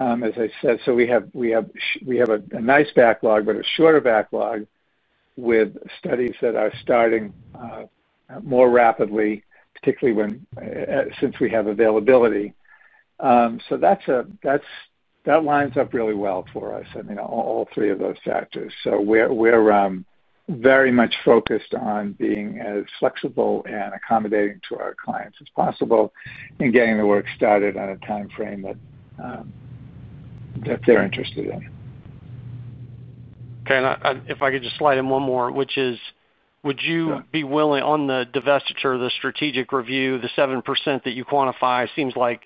As I said, we have a nice backlog, but a shorter backlog with studies that are starting more rapidly, particularly since we have availability. That lines up really well for us, I mean, all three of those factors. We're very much focused on being as flexible and accommodating to our clients as possible and getting the work started on a timeframe that. They're interested in. Okay. If I could just slide in one more, which is, would you be willing, on the divestiture, the strategic review, the 7% that you quantify, seems like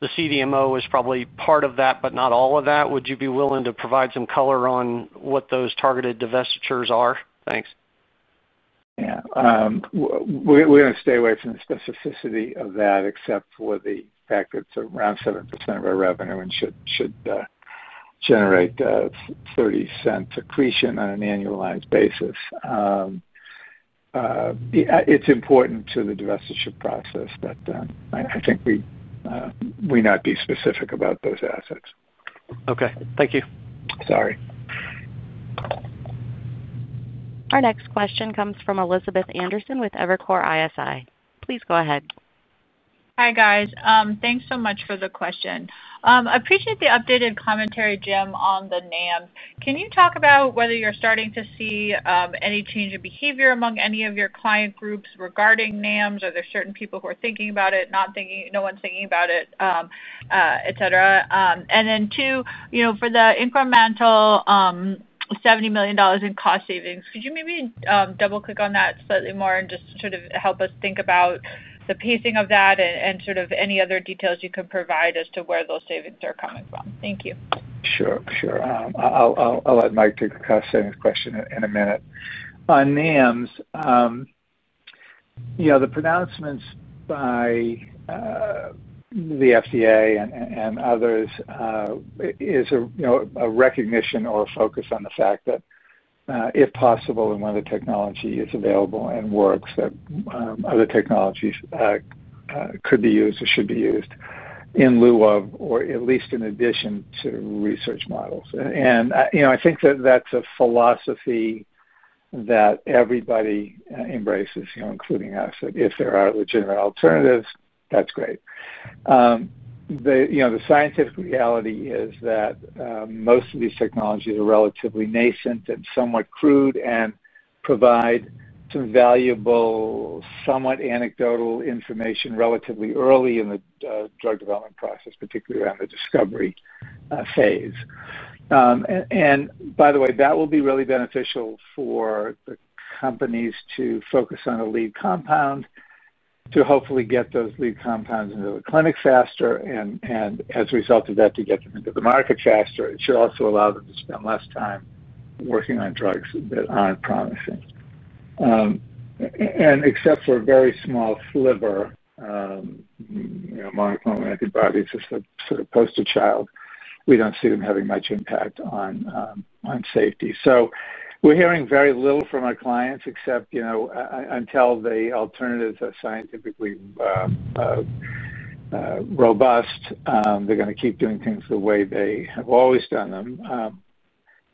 the CDMO is probably part of that, but not all of that. Would you be willing to provide some color on what those targeted divestitures are? Thanks. Yeah. We're going to stay away from the specificity of that, except for the fact that it's around 7% of our revenue and should generate $0.30 accretion on an annualized basis. It's important to the divestiture process, but I think we may not be specific about those assets. Okay. Thank you. Sorry. Our next question comes from Elizabeth Anderson with Evercore ISI. Please go ahead. Hi, guys. Thanks so much for the question. I appreciate the updated commentary, Jim, on the NAMs. Can you talk about whether you're starting to see any change in behavior among any of your client groups regarding NAMs? Are there certain people who are thinking about it, no one's thinking about it, etc.? And then, two, for the incremental $70 million in cost savings, could you maybe double-click on that slightly more and just sort of help us think about the pacing of that and sort of any other details you can provide as to where those savings are coming from? Thank you. Sure. I'll add Mike to the cost savings question in a minute. On NAMs, the pronouncements by the FDA and others is a recognition or a focus on the fact that, if possible, and when the technology is available and works, that other technologies could be used or should be used in lieu of, or at least in addition to, research models. I think that that's a philosophy that everybody embraces, including us, that if there are legitimate alternatives, that's great. The scientific reality is that most of these technologies are relatively nascent and somewhat crude and provide some valuable, somewhat anecdotal information relatively early in the drug development process, particularly around the discovery phase. By the way, that will be really beneficial for the companies to focus on a lead compound, to hopefully get those lead compounds into the clinic faster, and as a result of that, to get them into the market faster. It should also allow them to spend less time working on drugs that aren't promising. Except for a very small sliver, monoclonal antibodies as a sort of poster child, we don't see them having much impact on safety. We're hearing very little from our clients, except until the alternatives are scientifically. Robust, they're going to keep doing things the way they have always done them.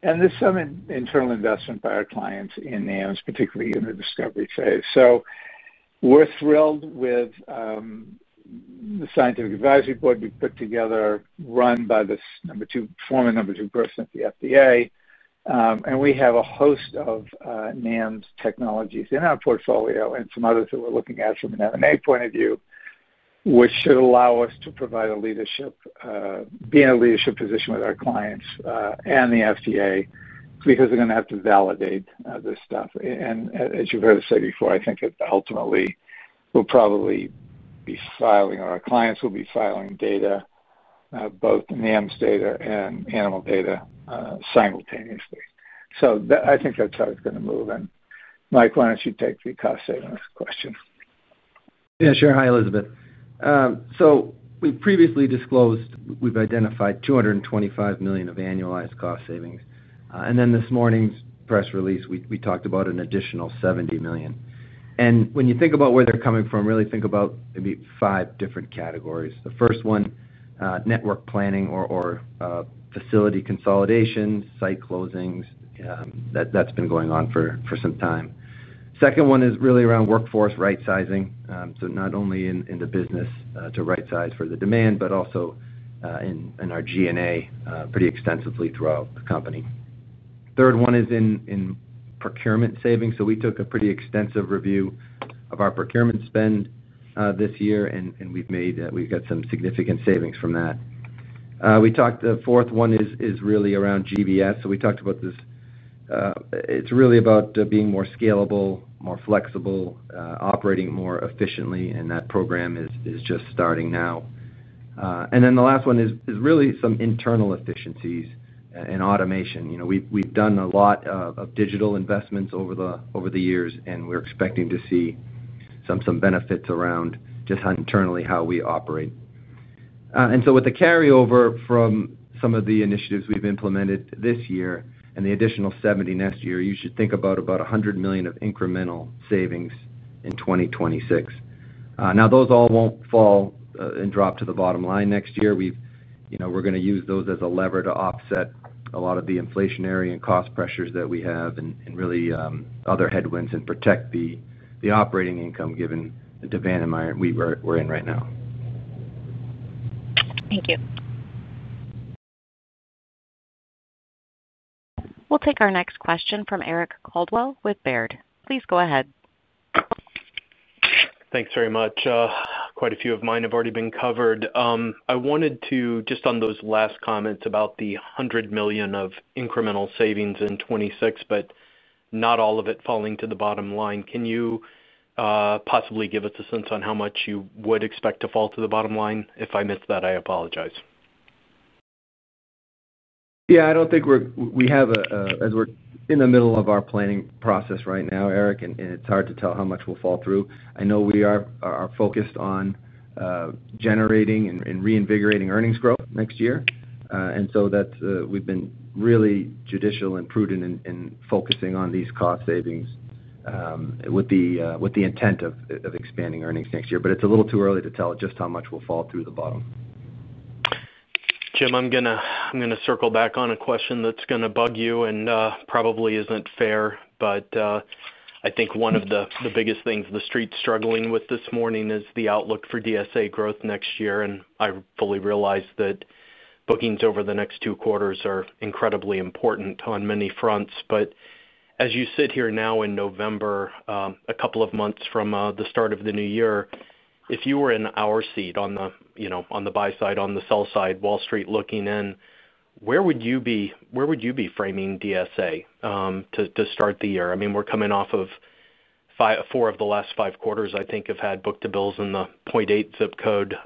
There's some internal investment by our clients in NAMs, particularly in the discovery phase. We're thrilled with the scientific advisory board we put together, run by the former number two person at the FDA. We have a host of NAMs technologies in our portfolio and some others that we're looking at from an M&A point of view, which should allow us to be in a leadership position with our clients and the FDA because they're going to have to validate this stuff. As you've heard us say before, I think that ultimately we'll probably be filing, or our clients will be filing, data, both NAMs data and animal data, simultaneously. I think that's how it's going to move. Mike, why don't you take the cost savings question? Yeah. Sure. Hi, Elizabeth. We've previously disclosed we've identified $225 million of annualized cost savings. In this morning's press release, we talked about an additional $70 million. When you think about where they're coming from, really think about maybe five different categories. The first one, network planning or facility consolidation, site closings. That's been going on for some time. The second one is really around workforce right-sizing. Not only in the business to right-size for the demand, but also in our G&A pretty extensively throughout the company. The third one is in procurement savings. We took a pretty extensive review of our procurement spend this year, and we've got some significant savings from that. The fourth one is really around GBS. We talked about this. It's really about being more scalable, more flexible, operating more efficiently, and that program is just starting now. The last one is really some internal efficiencies and automation. We've done a lot of digital investments over the years, and we're expecting to see some benefits around just internally how we operate. With the carryover from some of the initiatives we've implemented this year and the additional 70 next year, you should think about about $100 million of incremental savings in 2026. Now, those all won't fall and drop to the bottom line next year. We're going to use those as a lever to offset a lot of the inflationary and cost pressures that we have and really other headwinds and protect the operating income given the demand we're in right now. Thank you. We'll take our next question from Eric Caldwell with Baird. Please go ahead. Thanks very much. Quite a few of mine have already been covered. I wanted to, just on those last comments about the $100 million of incremental savings in 2026, but not all of it falling to the bottom line. Can you possibly give us a sense on how much you would expect to fall to the bottom line? If I missed that, I apologize. Yeah. I do not think we have a—as we are in the middle of our planning process right now, Eric, and it is hard to tell how much will fall through. I know we are focused on generating and reinvigorating earnings growth next year. And we have been really judicial and prudent in focusing on these cost savings, with the intent of expanding earnings next year. It is a little too early to tell just how much will fall through to the bottom. Jim, I'm going to circle back on a question that's going to bug you and probably isn't fair, but I think one of the biggest things the street's struggling with this morning is the outlook for DSA growth next year. I fully realize that bookings over the next two quarters are incredibly important on many fronts. As you sit here now in November, a couple of months from the start of the new year, if you were in our seat on the buy side, on the sell side, Wall Street looking in, where would you be framing DSA to start the year? I mean, we're coming off of four of the last five quarters, I think, have had book to bills in the 0.8 zip code.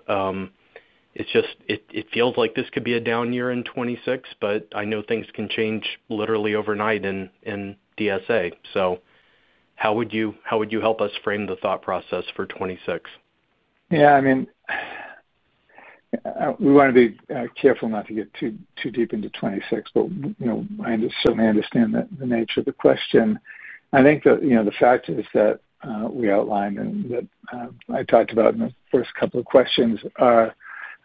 It feels like this could be a down year in 2026, but I know things can change literally overnight in DSA. How would you help us frame the thought process for 2026? Yeah. I mean, we want to be careful not to get too deep into 2026, but I certainly understand the nature of the question. I think the fact is that we outlined and that I talked about in the first couple of questions are,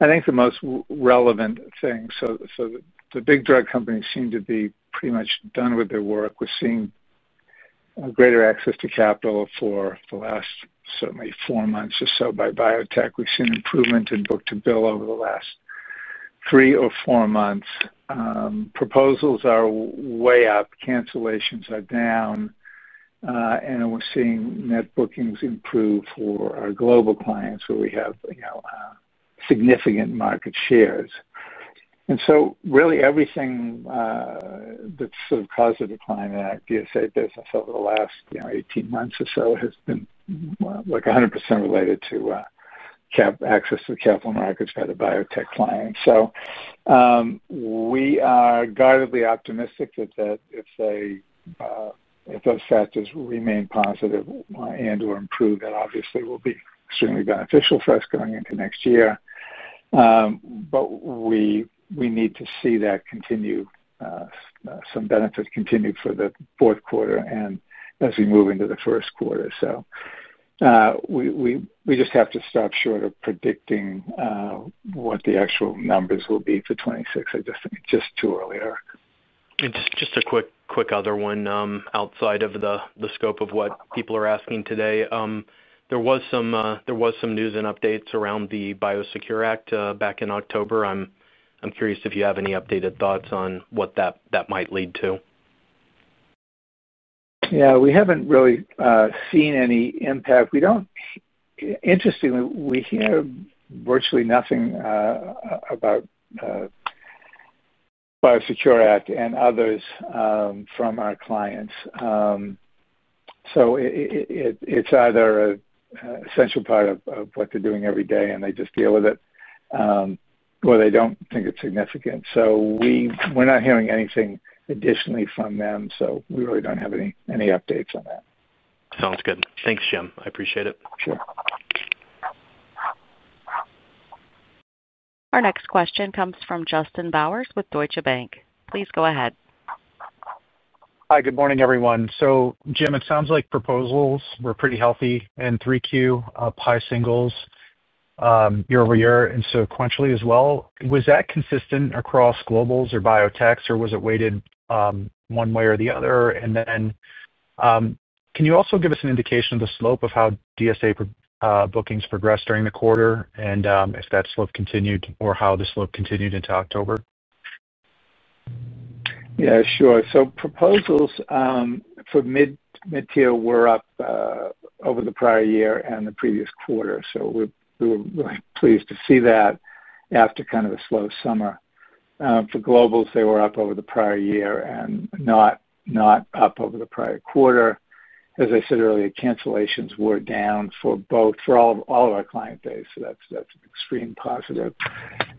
I think, the most relevant things. The big drug companies seem to be pretty much done with their work. We're seeing greater access to capital for the last, certainly, four months or so by biotech. We've seen improvement in book to bill over the last three or four months. Proposals are way up. Cancellations are down. We're seeing net bookings improve for our global clients, where we have significant market shares. Really, everything. That's sort of caused a decline in our DSA business over the last 18 months or so has been 100% related to access to the capital markets by the biotech clients. We are guardedly optimistic that if those factors remain positive and/or improve, that obviously will be extremely beneficial for us going into next year. We need to see that some benefit continue for the fourth quarter and as we move into the first quarter. We just have to stop short of predicting what the actual numbers will be for 2026. I just think it's just too early. Just a quick other one outside of the scope of what people are asking today. There was some news and updates around the BIOSECURE Act back in October. I'm curious if you have any updated thoughts on what that might lead to. Yeah. We haven't really seen any impact. Interestingly, we hear virtually nothing about the BIOSECURE Act and others from our clients. It is either an essential part of what they're doing every day, and they just deal with it, or they do not think it's significant. We are not hearing anything additionally from them. We really do not have any updates on that. Sounds good. Thanks, Jim. I appreciate it. Sure. Our next question comes from Justin Bowers with Deutsche Bank. Please go ahead. Hi. Good morning, everyone. Jim, it sounds like proposals were pretty healthy in 3Q, pie singles, year-over-year and sequentially as well. Was that consistent across globals or biotechs, or was it weighted one way or the other? Can you also give us an indication of the slope of how DSA bookings progressed during the quarter and if that slope continued or how the slope continued into October? Yeah. Sure. Proposals for mid-tier were up over the prior year and the previous quarter. We were really pleased to see that after kind of a slow summer. For globals, they were up over the prior year and not up over the prior quarter. As I said earlier, cancellations were down for all of our client base. That's an extreme positive.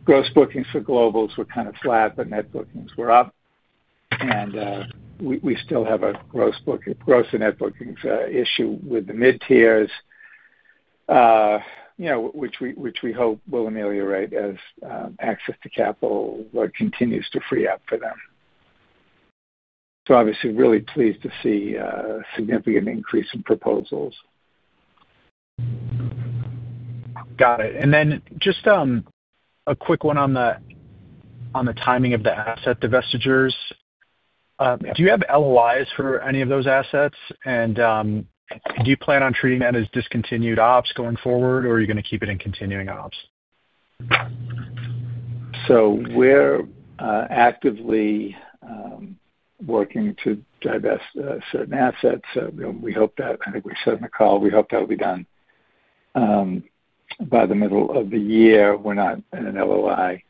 Gross bookings for globals were kind of flat, but net bookings were up. We still have a gross and net bookings issue with the mid-tiers, which we hope will ameliorate as access to capital continues to free up for them. Obviously, really pleased to see a significant increase in proposals. Got it. A quick one on the timing of the asset divestitures. Do you have LOIs for any of those assets? Do you plan on treating that as discontinued ops going forward, or are you going to keep it in continuing ops? We are actively working to divest certain assets. We hope that—I think we said in the call—we hope that will be done by the middle of the year. We are not in an LOI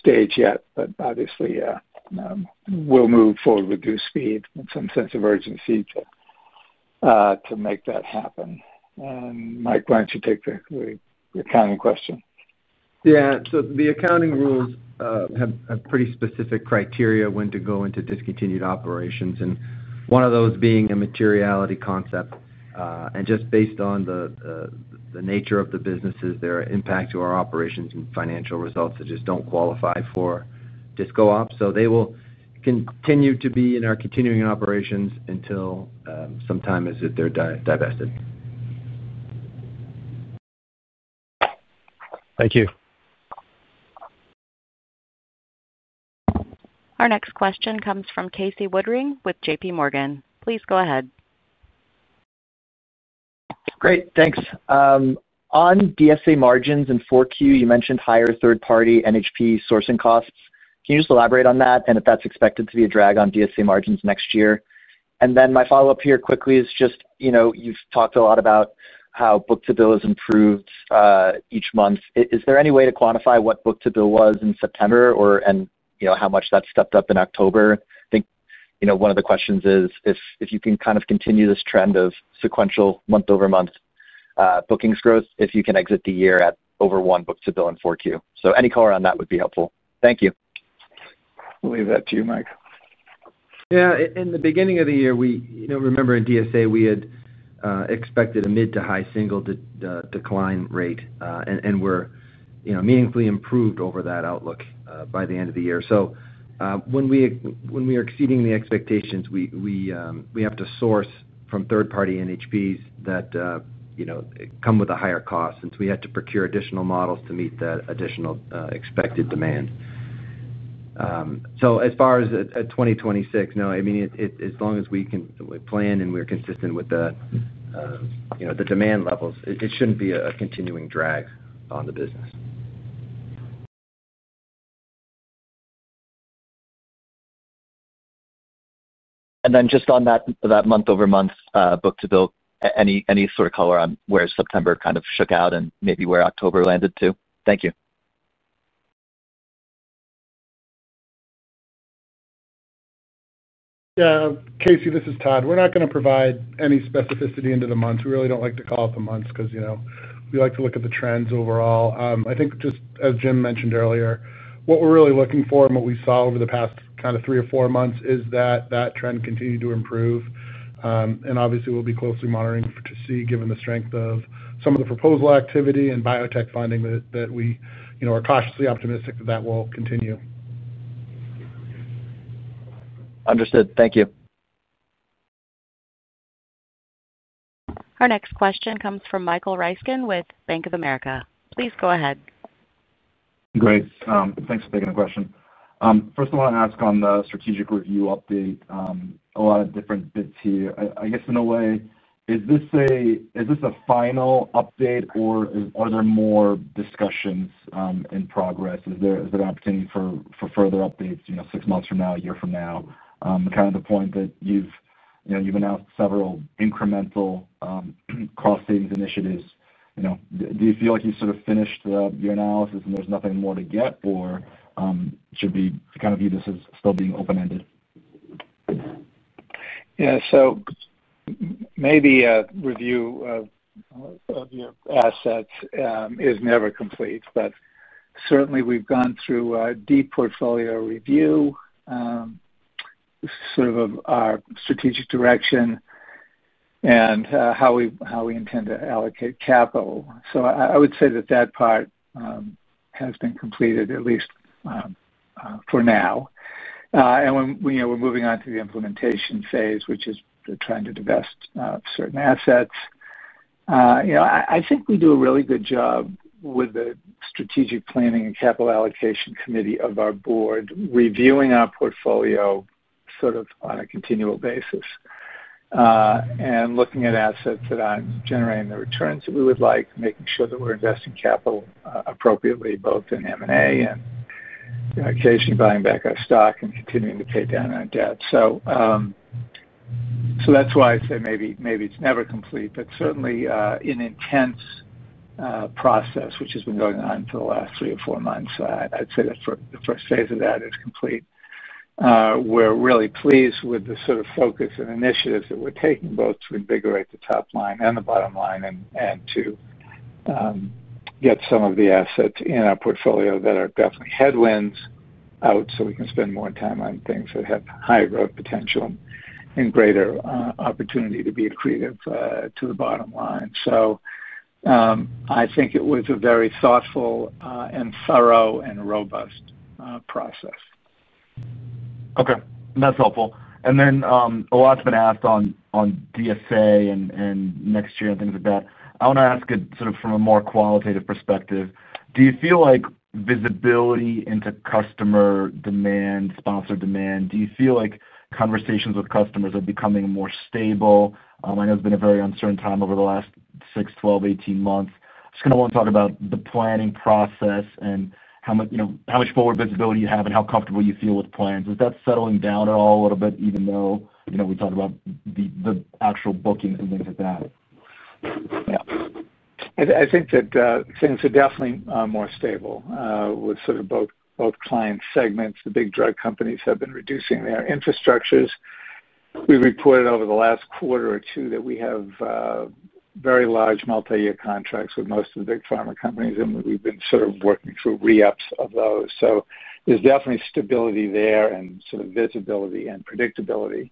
stage yet, but obviously we will move forward with due speed and some sense of urgency to make that happen. Mike, why do you not take the accounting question? Yeah. The accounting rules have pretty specific criteria when to go into discontinued operations, and one of those being a materiality concept. Just based on the nature of the businesses, their impact to our operations and financial results, they just do not qualify for disco ops. They will continue to be in our continuing operations until some time as if they are divested. Thank you. Our next question comes from Casey Woodring with JPMorgan. Please go ahead. Great. Thanks. On DSA margins in 4Q, you mentioned higher third-party NHP sourcing costs. Can you just elaborate on that and if that's expected to be a drag on DSA margins next year? My follow-up here quickly is just you've talked a lot about how book to bill has improved each month. Is there any way to quantify what book to bill was in September and how much that's stepped up in October? I think one of the questions is if you can kind of continue this trend of sequential month-over-month bookings growth, if you can exit the year at over one book to bill in 4Q. Any color on that would be helpful. Thank you. We'll leave that to you, Mike. Yeah. In the beginning of the year, remember in DSA, we had expected a mid to high single decline rate, and we’re meaningfully improved over that outlook by the end of the year. When we are exceeding the expectations, we have to source from third-party NHPs that come with a higher cost since we had to procure additional models to meet that additional expected demand. As far as 2026, no. I mean, as long as we plan and we’re consistent with the demand levels, it shouldn’t be a continuing drag on the business. Just on that month-over-month book to bill, any sort of color on where September kind of shook out and maybe where October landed too? Thank you. Casey, this is Todd. We’re not going to provide any specificity into the months. We really don't like to call it the months because we like to look at the trends overall. I think just as Jim mentioned earlier, what we're really looking for and what we saw over the past kind of three or four months is that that trend continued to improve. Obviously, we'll be closely monitoring to see given the strength of some of the proposal activity and biotech funding that we are cautiously optimistic that that will continue. Understood. Thank you. Our next question comes from Michael Ryskin with Bank of America. Please go ahead. Great. Thanks for taking the question. First of all, I want to ask on the strategic review update, a lot of different bits here. I guess in a way, is this a final update, or are there more discussions in progress? Is there an opportunity for further updates six months from now, a year from now? Kind of the point that you've announced several incremental cost-savings initiatives. Do you feel like you've sort of finished your analysis and there's nothing more to get, or should we kind of view this as still being open-ended? Yeah. Maybe a review of your assets is never complete, but certainly, we've gone through a deep portfolio review, sort of our strategic direction, and how we intend to allocate capital. I would say that that part has been completed at least for now, and we're moving on to the implementation phase, which is trying to divest certain assets. I think we do a really good job with the strategic planning and capital allocation committee of our board, reviewing our portfolio sort of on a continual basis. Looking at assets that are not generating the returns that we would like, making sure that we are investing capital appropriately, both in M&A and occasionally buying back our stock and continuing to take down our debt. That is why I say maybe it is never complete, but certainly an intense process, which has been going on for the last three or four months. I would say that the first phase of that is complete. We are really pleased with the sort of focus and initiatives that we are taking, both to invigorate the top line and the bottom line and to get some of the assets in our portfolio that are definitely headwinds out so we can spend more time on things that have higher growth potential and greater opportunity to be accretive to the bottom line. I think it was a very thoughtful and thorough and robust process. Okay. That is helpful. A lot's been asked on DSA and next year and things like that. I want to ask it sort of from a more qualitative perspective. Do you feel like visibility into customer demand, sponsor demand? Do you feel like conversations with customers are becoming more stable? I know it's been a very uncertain time over the last 6, 12, 18 months. I just kind of want to talk about the planning process and how much forward visibility you have and how comfortable you feel with plans. Is that settling down at all a little bit, even though we talked about the actual bookings and things like that? Yeah. I think that things are definitely more stable with sort of both client segments. The big drug companies have been reducing their infrastructures. We reported over the last quarter or two that we have. Very large multi-year contracts with most of the big pharma companies, and we've been sort of working through re-ups of those. There is definitely stability there and sort of visibility and predictability.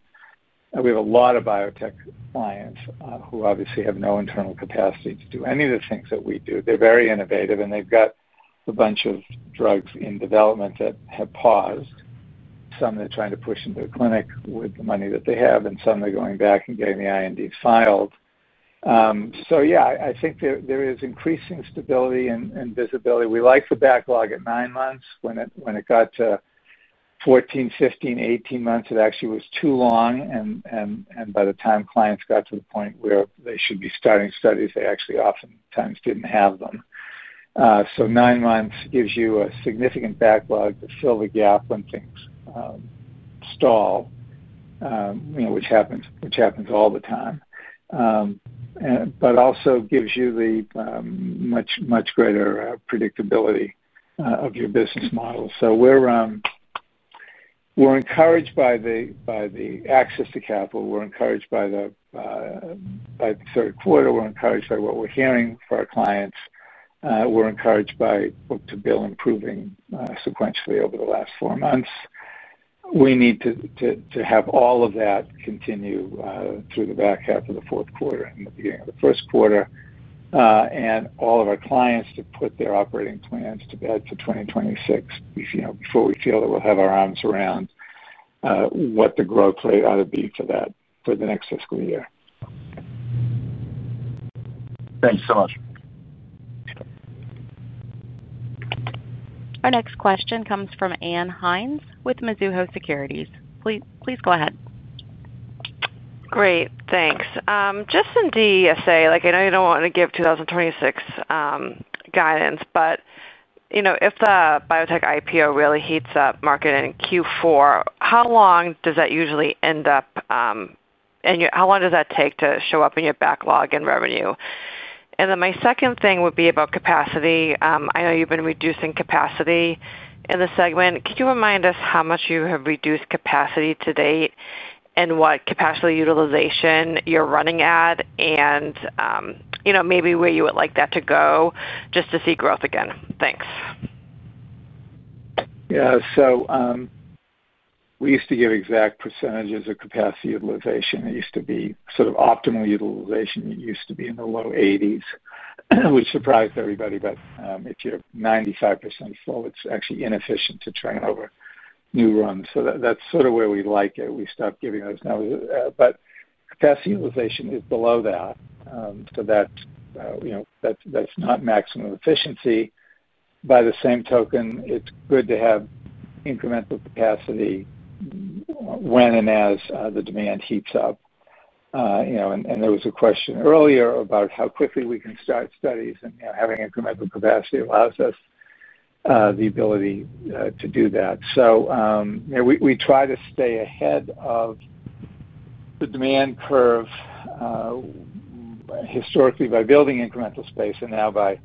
We have a lot of biotech clients who obviously have no internal capacity to do any of the things that we do. They're very innovative, and they've got a bunch of drugs in development that have paused. Some they're trying to push into a clinic with the money that they have, and some they're going back and getting the INDs filed. Yeah, I think there is increasing stability and visibility. We liked the backlog at nine months. When it got to 14, 15, 18 months, it actually was too long. By the time clients got to the point where they should be starting studies, they actually oftentimes didn't have them. Nine months gives you a significant backlog to fill the gap when things stall, which happens all the time. It also gives you much greater predictability of your business model. We are encouraged by the access to capital. We are encouraged by the third quarter. We are encouraged by what we are hearing from our clients. We are encouraged by book to bill improving sequentially over the last four months. We need to have all of that continue through the back half of the fourth quarter and the beginning of the first quarter, and all of our clients to put their operating plans to bed for 2026 before we feel that we will have our arms around what the growth rate ought to be for the next fiscal year. Thanks so much. Our next question comes from Anne Hines with Mizuho Securities. Please go ahead. Great, thanks. Just in DSA, I know you don't want to give 2026 guidance, but if the biotech IPO really heats up market in Q4, how long does that usually end up, and how long does that take to show up in your backlog and revenue? My second thing would be about capacity. I know you've been reducing capacity in the segment. Could you remind us how much you have reduced capacity to date and what capacity utilization you're running at, and maybe where you would like that to go just to see growth again? Thanks. Yeah. We used to give exact percentages of capacity utilization. It used to be sort of optimal utilization. It used to be in the low 80%, which surprised everybody. If you're 95% full, it's actually inefficient to turn over new runs. That's sort of where we like it. We stopped giving those numbers. Capacity utilization is below that. That is not maximum efficiency. By the same token, it's good to have incremental capacity when and as the demand heats up. There was a question earlier about how quickly we can start studies, and having incremental capacity allows us the ability to do that. We try to stay ahead of the demand curve historically by building incremental space and now by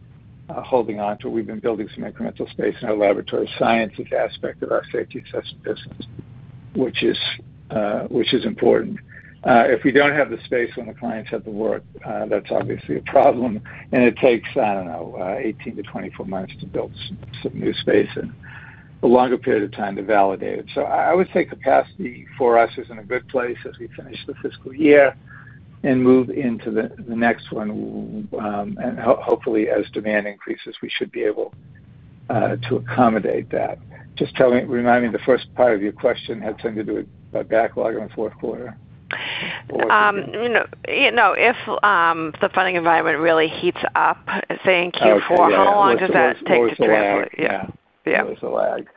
holding onto it. We've been building some incremental space in our laboratory sciences aspect of our safety assessment business, which is important. If we don't have the space when the clients have to work, that's obviously a problem. It takes, I don't know, 18 to 24 months to build some new space and a longer period of time to validate it. I would say capacity for us is in a good place as we finish the fiscal year and move into the next one. Hopefully, as demand increases, we should be able to accommodate that. Just remind me, the first part of your question had something to do with backlog in the fourth quarter. No, if the funding environment really heats up, say in Q4, how long does that take to travel? Yeah. There's a lag.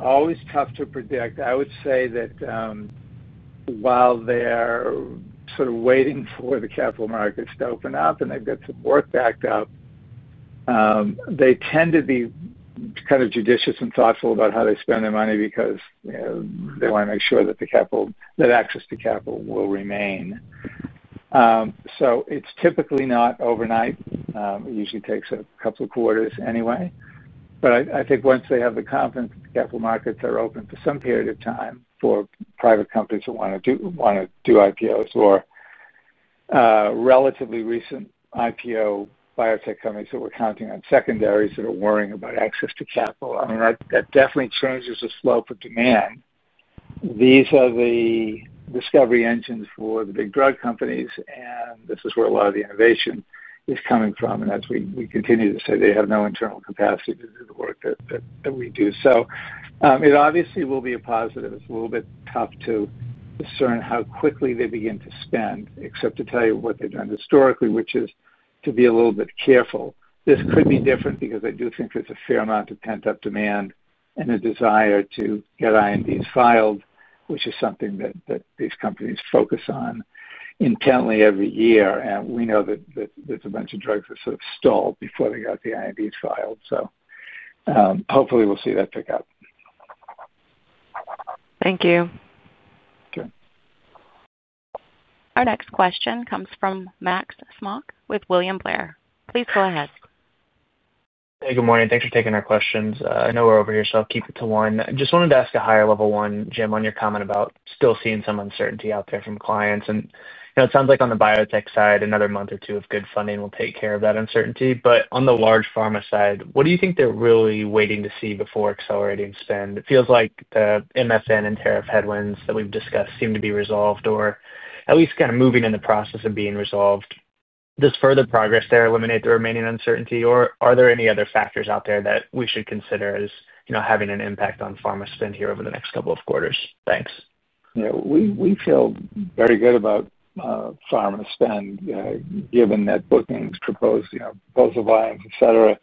Always tough to predict. I would say that while they're sort of waiting for the capital markets to open up and they've got some work backed up, they tend to be kind of judicious and thoughtful about how they spend their money because they want to make sure that access to capital will remain. It's typically not overnight. It usually takes a couple of quarters anyway. I think once they have the confidence that the capital markets are open for some period of time for private companies that want to do IPOs or relatively recent IPO biotech companies that were counting on secondaries that are worrying about access to capital. I mean, that definitely changes the flow for demand. These are the discovery engines for the big drug companies, and this is where a lot of the innovation is coming from. As we continue to say, they have no internal capacity to do the work that we do. It obviously will be a positive. It's a little bit tough to discern how quickly they begin to spend, except to tell you what they've done historically, which is to be a little bit careful. This could be different because I do think there's a fair amount of pent-up demand and a desire to get INDs filed, which is something that these companies focus on intently every year. We know that there's a bunch of drugs that sort of stalled before they got the INDs filed. Hopefully, we'll see that pick up. Thank you. Sure. Our next question comes from Max Smock with William Blair. Please go ahead. Hey, good morning. Thanks for taking our questions. I know we're over here, so I'll keep it to one. I just wanted to ask a higher level one, Jim, on your comment about still seeing some uncertainty out there from clients. It sounds like on the biotech side, another month or two of good funding will take care of that uncertainty. On the large pharma side, what do you think they're really waiting to see before accelerating spend? It feels like the MFN and tariff headwinds that we've discussed seem to be resolved or at least kind of moving in the process of being resolved. Does further progress there eliminate the remaining uncertainty, or are there any other factors out there that we should consider as having an impact on pharma spend here over the next couple of quarters? Thanks. Yeah. We feel very good about pharma spend given that bookings, proposal volumes, etc.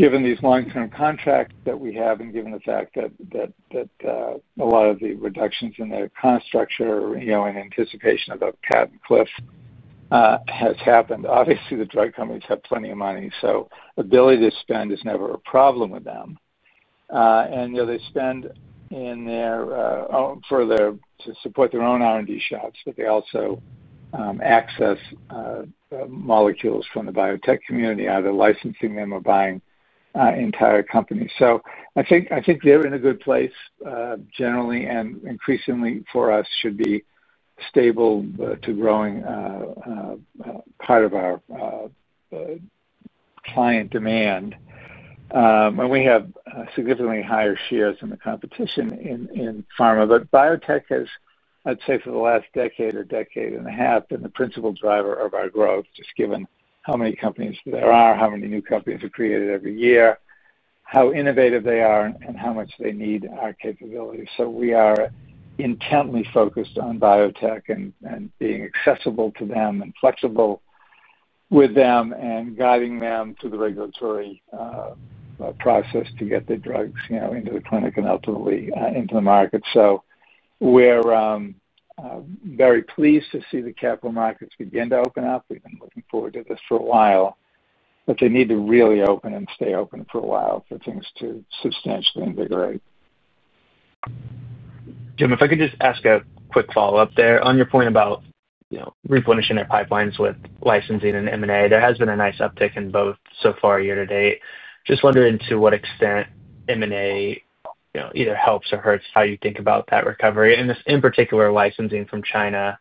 Given these long-term contracts that we have and given the fact that a lot of the reductions in their cost structure in anticipation of a patent cliff has happened. Obviously, the drug companies have plenty of money, so ability to spend is never a problem with them. They spend in their. For. To support their own R&D shops, but they also access molecules from the biotech community, either licensing them or buying entire companies. I think they're in a good place generally and increasingly for us should be stable to growing part of our client demand. We have significantly higher shares than the competition in pharma, but biotech has, I'd say, for the last decade or decade and a half, been the principal driver of our growth, just given how many companies there are, how many new companies are created every year, how innovative they are, and how much they need our capability. We are intently focused on biotech and being accessible to them and flexible with them and guiding them through the regulatory process to get the drugs into the clinic and ultimately into the market. We're. Very pleased to see the capital markets begin to open up. We've been looking forward to this for a while, but they need to really open and stay open for a while for things to substantially invigorate. Jim, if I could just ask a quick follow-up there. On your point about replenishing their pipelines with licensing and M&A, there has been a nice uptick in both so far year to date. Just wondering to what extent M&A either helps or hurts how you think about that recovery. In particular, licensing from China,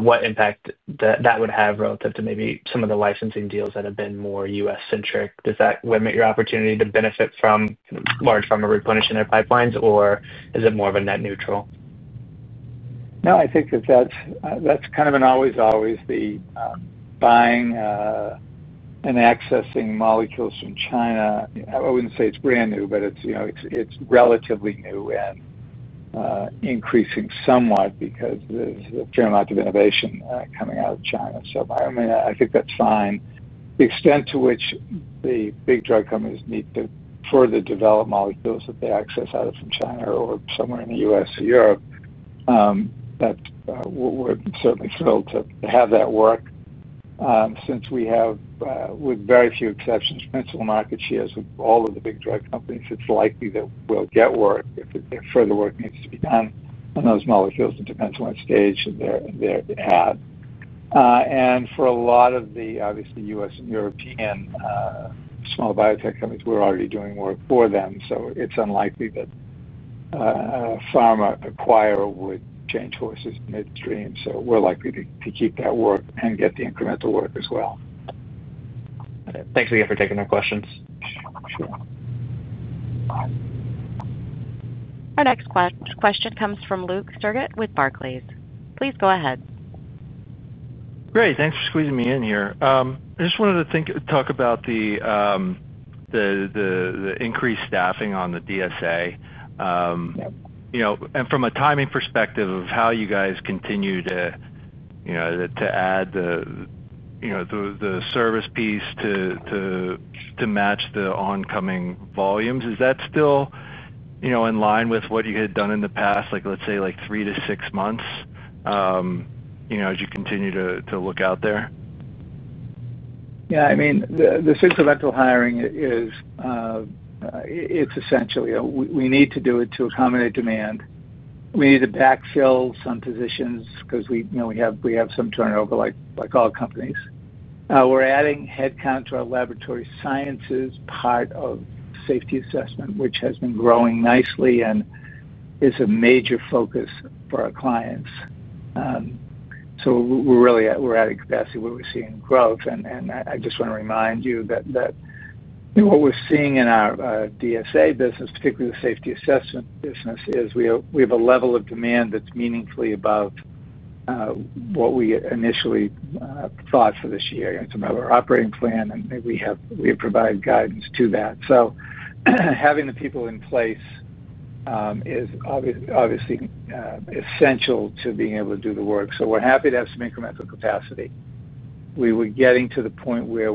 what impact that would have relative to maybe some of the licensing deals that have been more U.S.-centric? Does that limit your opportunity to benefit from large pharma replenishing their pipelines, or is it more of a net neutral? No, I think that that's kind of an always, always the buying and accessing molecules from China. I wouldn't say it's brand new, but it's relatively new and increasing somewhat because there's a fair amount of innovation coming out of China. I mean, I think that's fine. The extent to which the big drug companies need to further develop molecules that they access either from China or somewhere in the U.S. or Europe, we're certainly thrilled to have that work. Since we have, with very few exceptions, principal market shares with all of the big drug companies, it's likely that we'll get work if further work needs to be done on those molecules. It depends on what stage they're at. For a lot of the, obviously, U.S. and European small biotech companies, we're already doing work for them. It's unlikely that a pharma acquirer would change horses midstream. We're likely to keep that work and get the incremental work as well. Thanks again for taking our questions. Sure. Our next question comes from Luke Sergott with Barclays. Please go ahead. Great. Thanks for squeezing me in here. I just wanted to talk about the increased staffing on the DSA. And from a timing perspective of how you guys continue to add the service piece to match the oncoming volumes, is that still in line with what you had done in the past, let's say three to six months, as you continue to look out there? Yeah. I mean, the supplemental hiring is essential. We need to do it to accommodate demand. We need to backfill some positions because we have some turnover, like all companies. We're adding headcount to our laboratory sciences part of safety assessment, which has been growing nicely and is a major focus for our clients. So we're adding capacity where we're seeing growth. I just want to remind you that what we're seeing in our DSA business, particularly the safety assessment business, is we have a level of demand that's meaningfully above what we initially thought for this year in some of our operating plan, and we have provided guidance to that. Having the people in place is obviously essential to being able to do the work. We're happy to have some incremental capacity. We were getting to the point where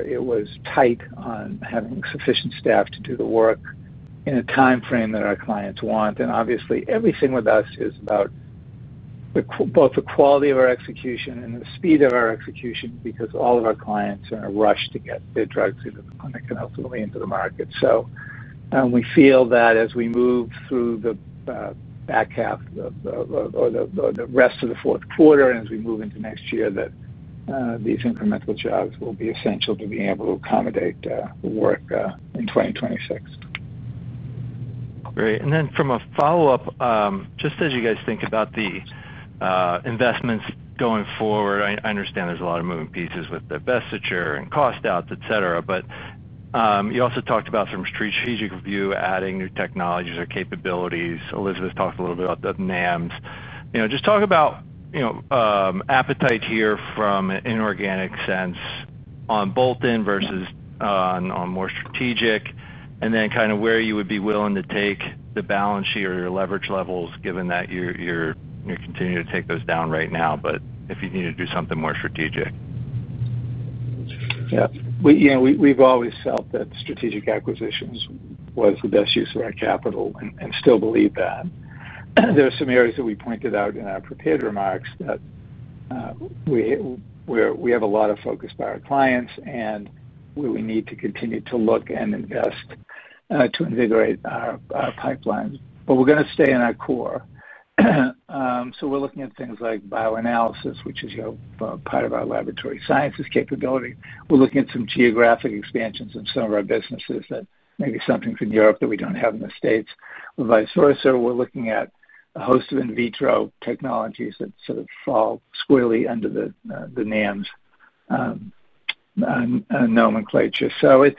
it was tight on having sufficient staff to do the work in a timeframe that our clients want. Obviously, everything with us is about both the quality of our execution and the speed of our execution because all of our clients are in a rush to get their drugs into the clinic and ultimately into the market. We feel that as we move through the. Back half or the rest of the fourth quarter and as we move into next year, that. These incremental jobs will be essential to being able to accommodate the work in 2026. Great. From a follow-up, just as you guys think about the investments going forward, I understand there's a lot of moving pieces with the Besseter and cost outs, etc., but you also talked about some strategic review, adding new technologies or capabilities. Elizabeth talked a little bit about the NAMs. Just talk about appetite here from an inorganic sense on bolt-on versus on more strategic, and then kind of where you would be willing to take the balance sheet or your leverage levels, given that you're continuing to take those down right now, but if you need to do something more strategic. Yeah. We've always felt that strategic acquisitions was the best use of our capital and still believe that. There are some areas that we pointed out in our prepared remarks that we have a lot of focus by our clients, and we need to continue to look and invest to invigorate our pipelines. We're going to stay in our core. We're looking at things like bioanalysis, which is part of our laboratory sciences capability. We're looking at some geographic expansions in some of our businesses that maybe something's in Europe that we don't have in the States, vice versa. We're looking at a host of in vitro technologies that sort of fall squarely under the NAMs nomenclature. There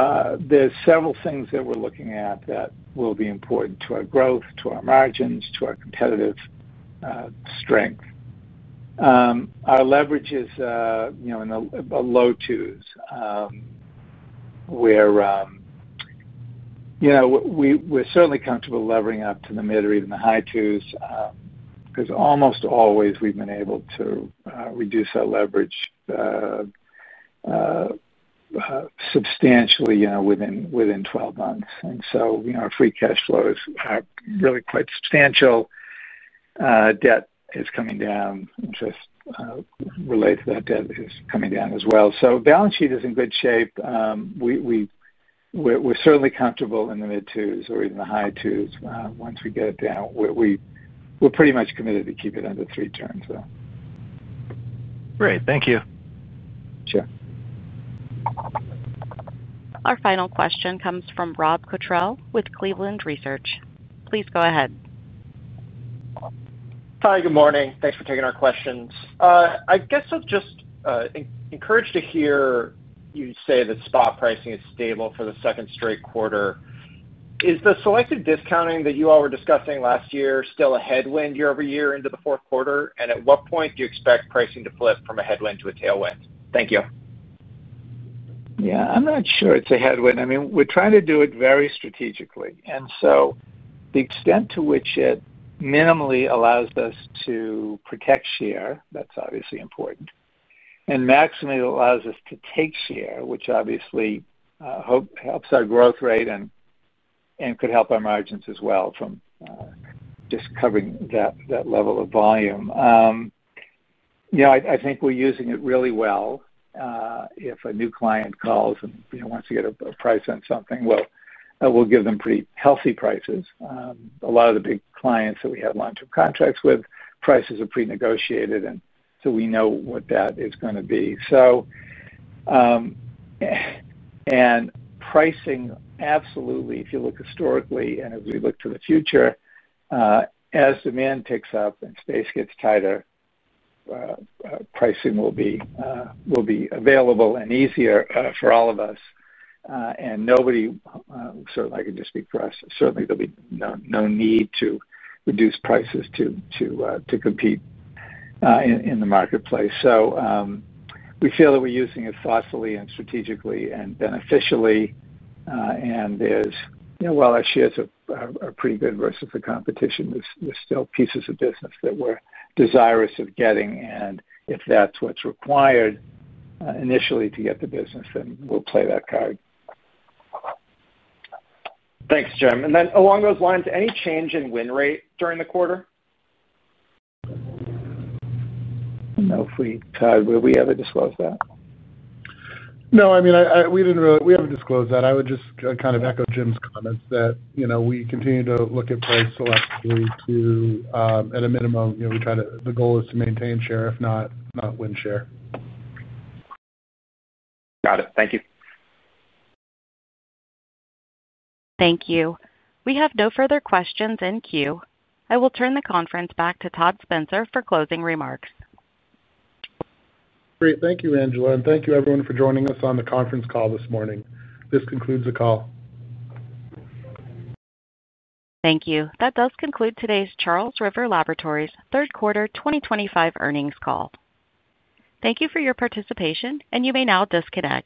are several things that we're looking at that will be important to our growth, to our margins, to our competitive strength. Our leverage is in the low twos. We're certainly comfortable levering up to the mid or even the high twos. Because almost always, we've been able to reduce our leverage substantially within 12 months. And so our free cash flows are really quite substantial. Debt is coming down. Interest related to that debt is coming down as well. So balance sheet is in good shape. We're certainly comfortable in the mid-twos or even the high twos once we get it down. We're pretty much committed to keep it under three turns, though. Great. Thank you. Sure. Our final question comes from Rob Cottrell with Cleveland Research. Please go ahead. Hi. Good morning. Thanks for taking our questions. I guess I'm just encouraged to hear you say that spot pricing is stable for the second straight quarter. Is the selective discounting that you all were discussing last year still a headwind year-over-year into the fourth quarter? At what point do you expect pricing to flip from a headwind to a tailwind? Thank you. Yeah. I'm not sure it's a headwind. I mean, we're trying to do it very strategically. To the extent to which it minimally allows us to protect share, that's obviously important. Maximally, it allows us to take share, which obviously helps our growth rate and could help our margins as well from just covering that level of volume. I think we're using it really well. If a new client calls and wants to get a price on something, we'll give them pretty healthy prices. A lot of the big clients that we have long-term contracts with, prices are pre-negotiated, and so we know what that is going to be. Pricing, absolutely, if you look historically and as we look to the future. As demand ticks up and space gets tighter. Pricing will be available and easier for all of us. Certainly, I can just speak for us, certainly there'll be no need to reduce prices to compete in the marketplace. We feel that we're using it thoughtfully and strategically and beneficially. While our shares are pretty good versus the competition, there are still pieces of business that we're desirous of getting. If that's what's required initially to get the business, then we'll play that card. Thanks, Jim. Along those lines, any change in win rate during the quarter? I don't know if we have to disclose that. No. I mean, we haven't disclosed that. I would just kind of echo Jim's comments that we continue to look at price selectively. At a minimum, we try to—the goal is to maintain share, if not win share. Got it. Thank you. Thank you. We have no further questions in queue. I will turn the conference back to Todd Spencer for closing remarks. Great. Thank you, Angela. Thank you, everyone, for joining us on the conference call this morning. This concludes the call. Thank you. That does conclude today's Charles River Laboratories Third Quarter 2025 Earnings Call. Thank you for your participation, and you may now disconnect.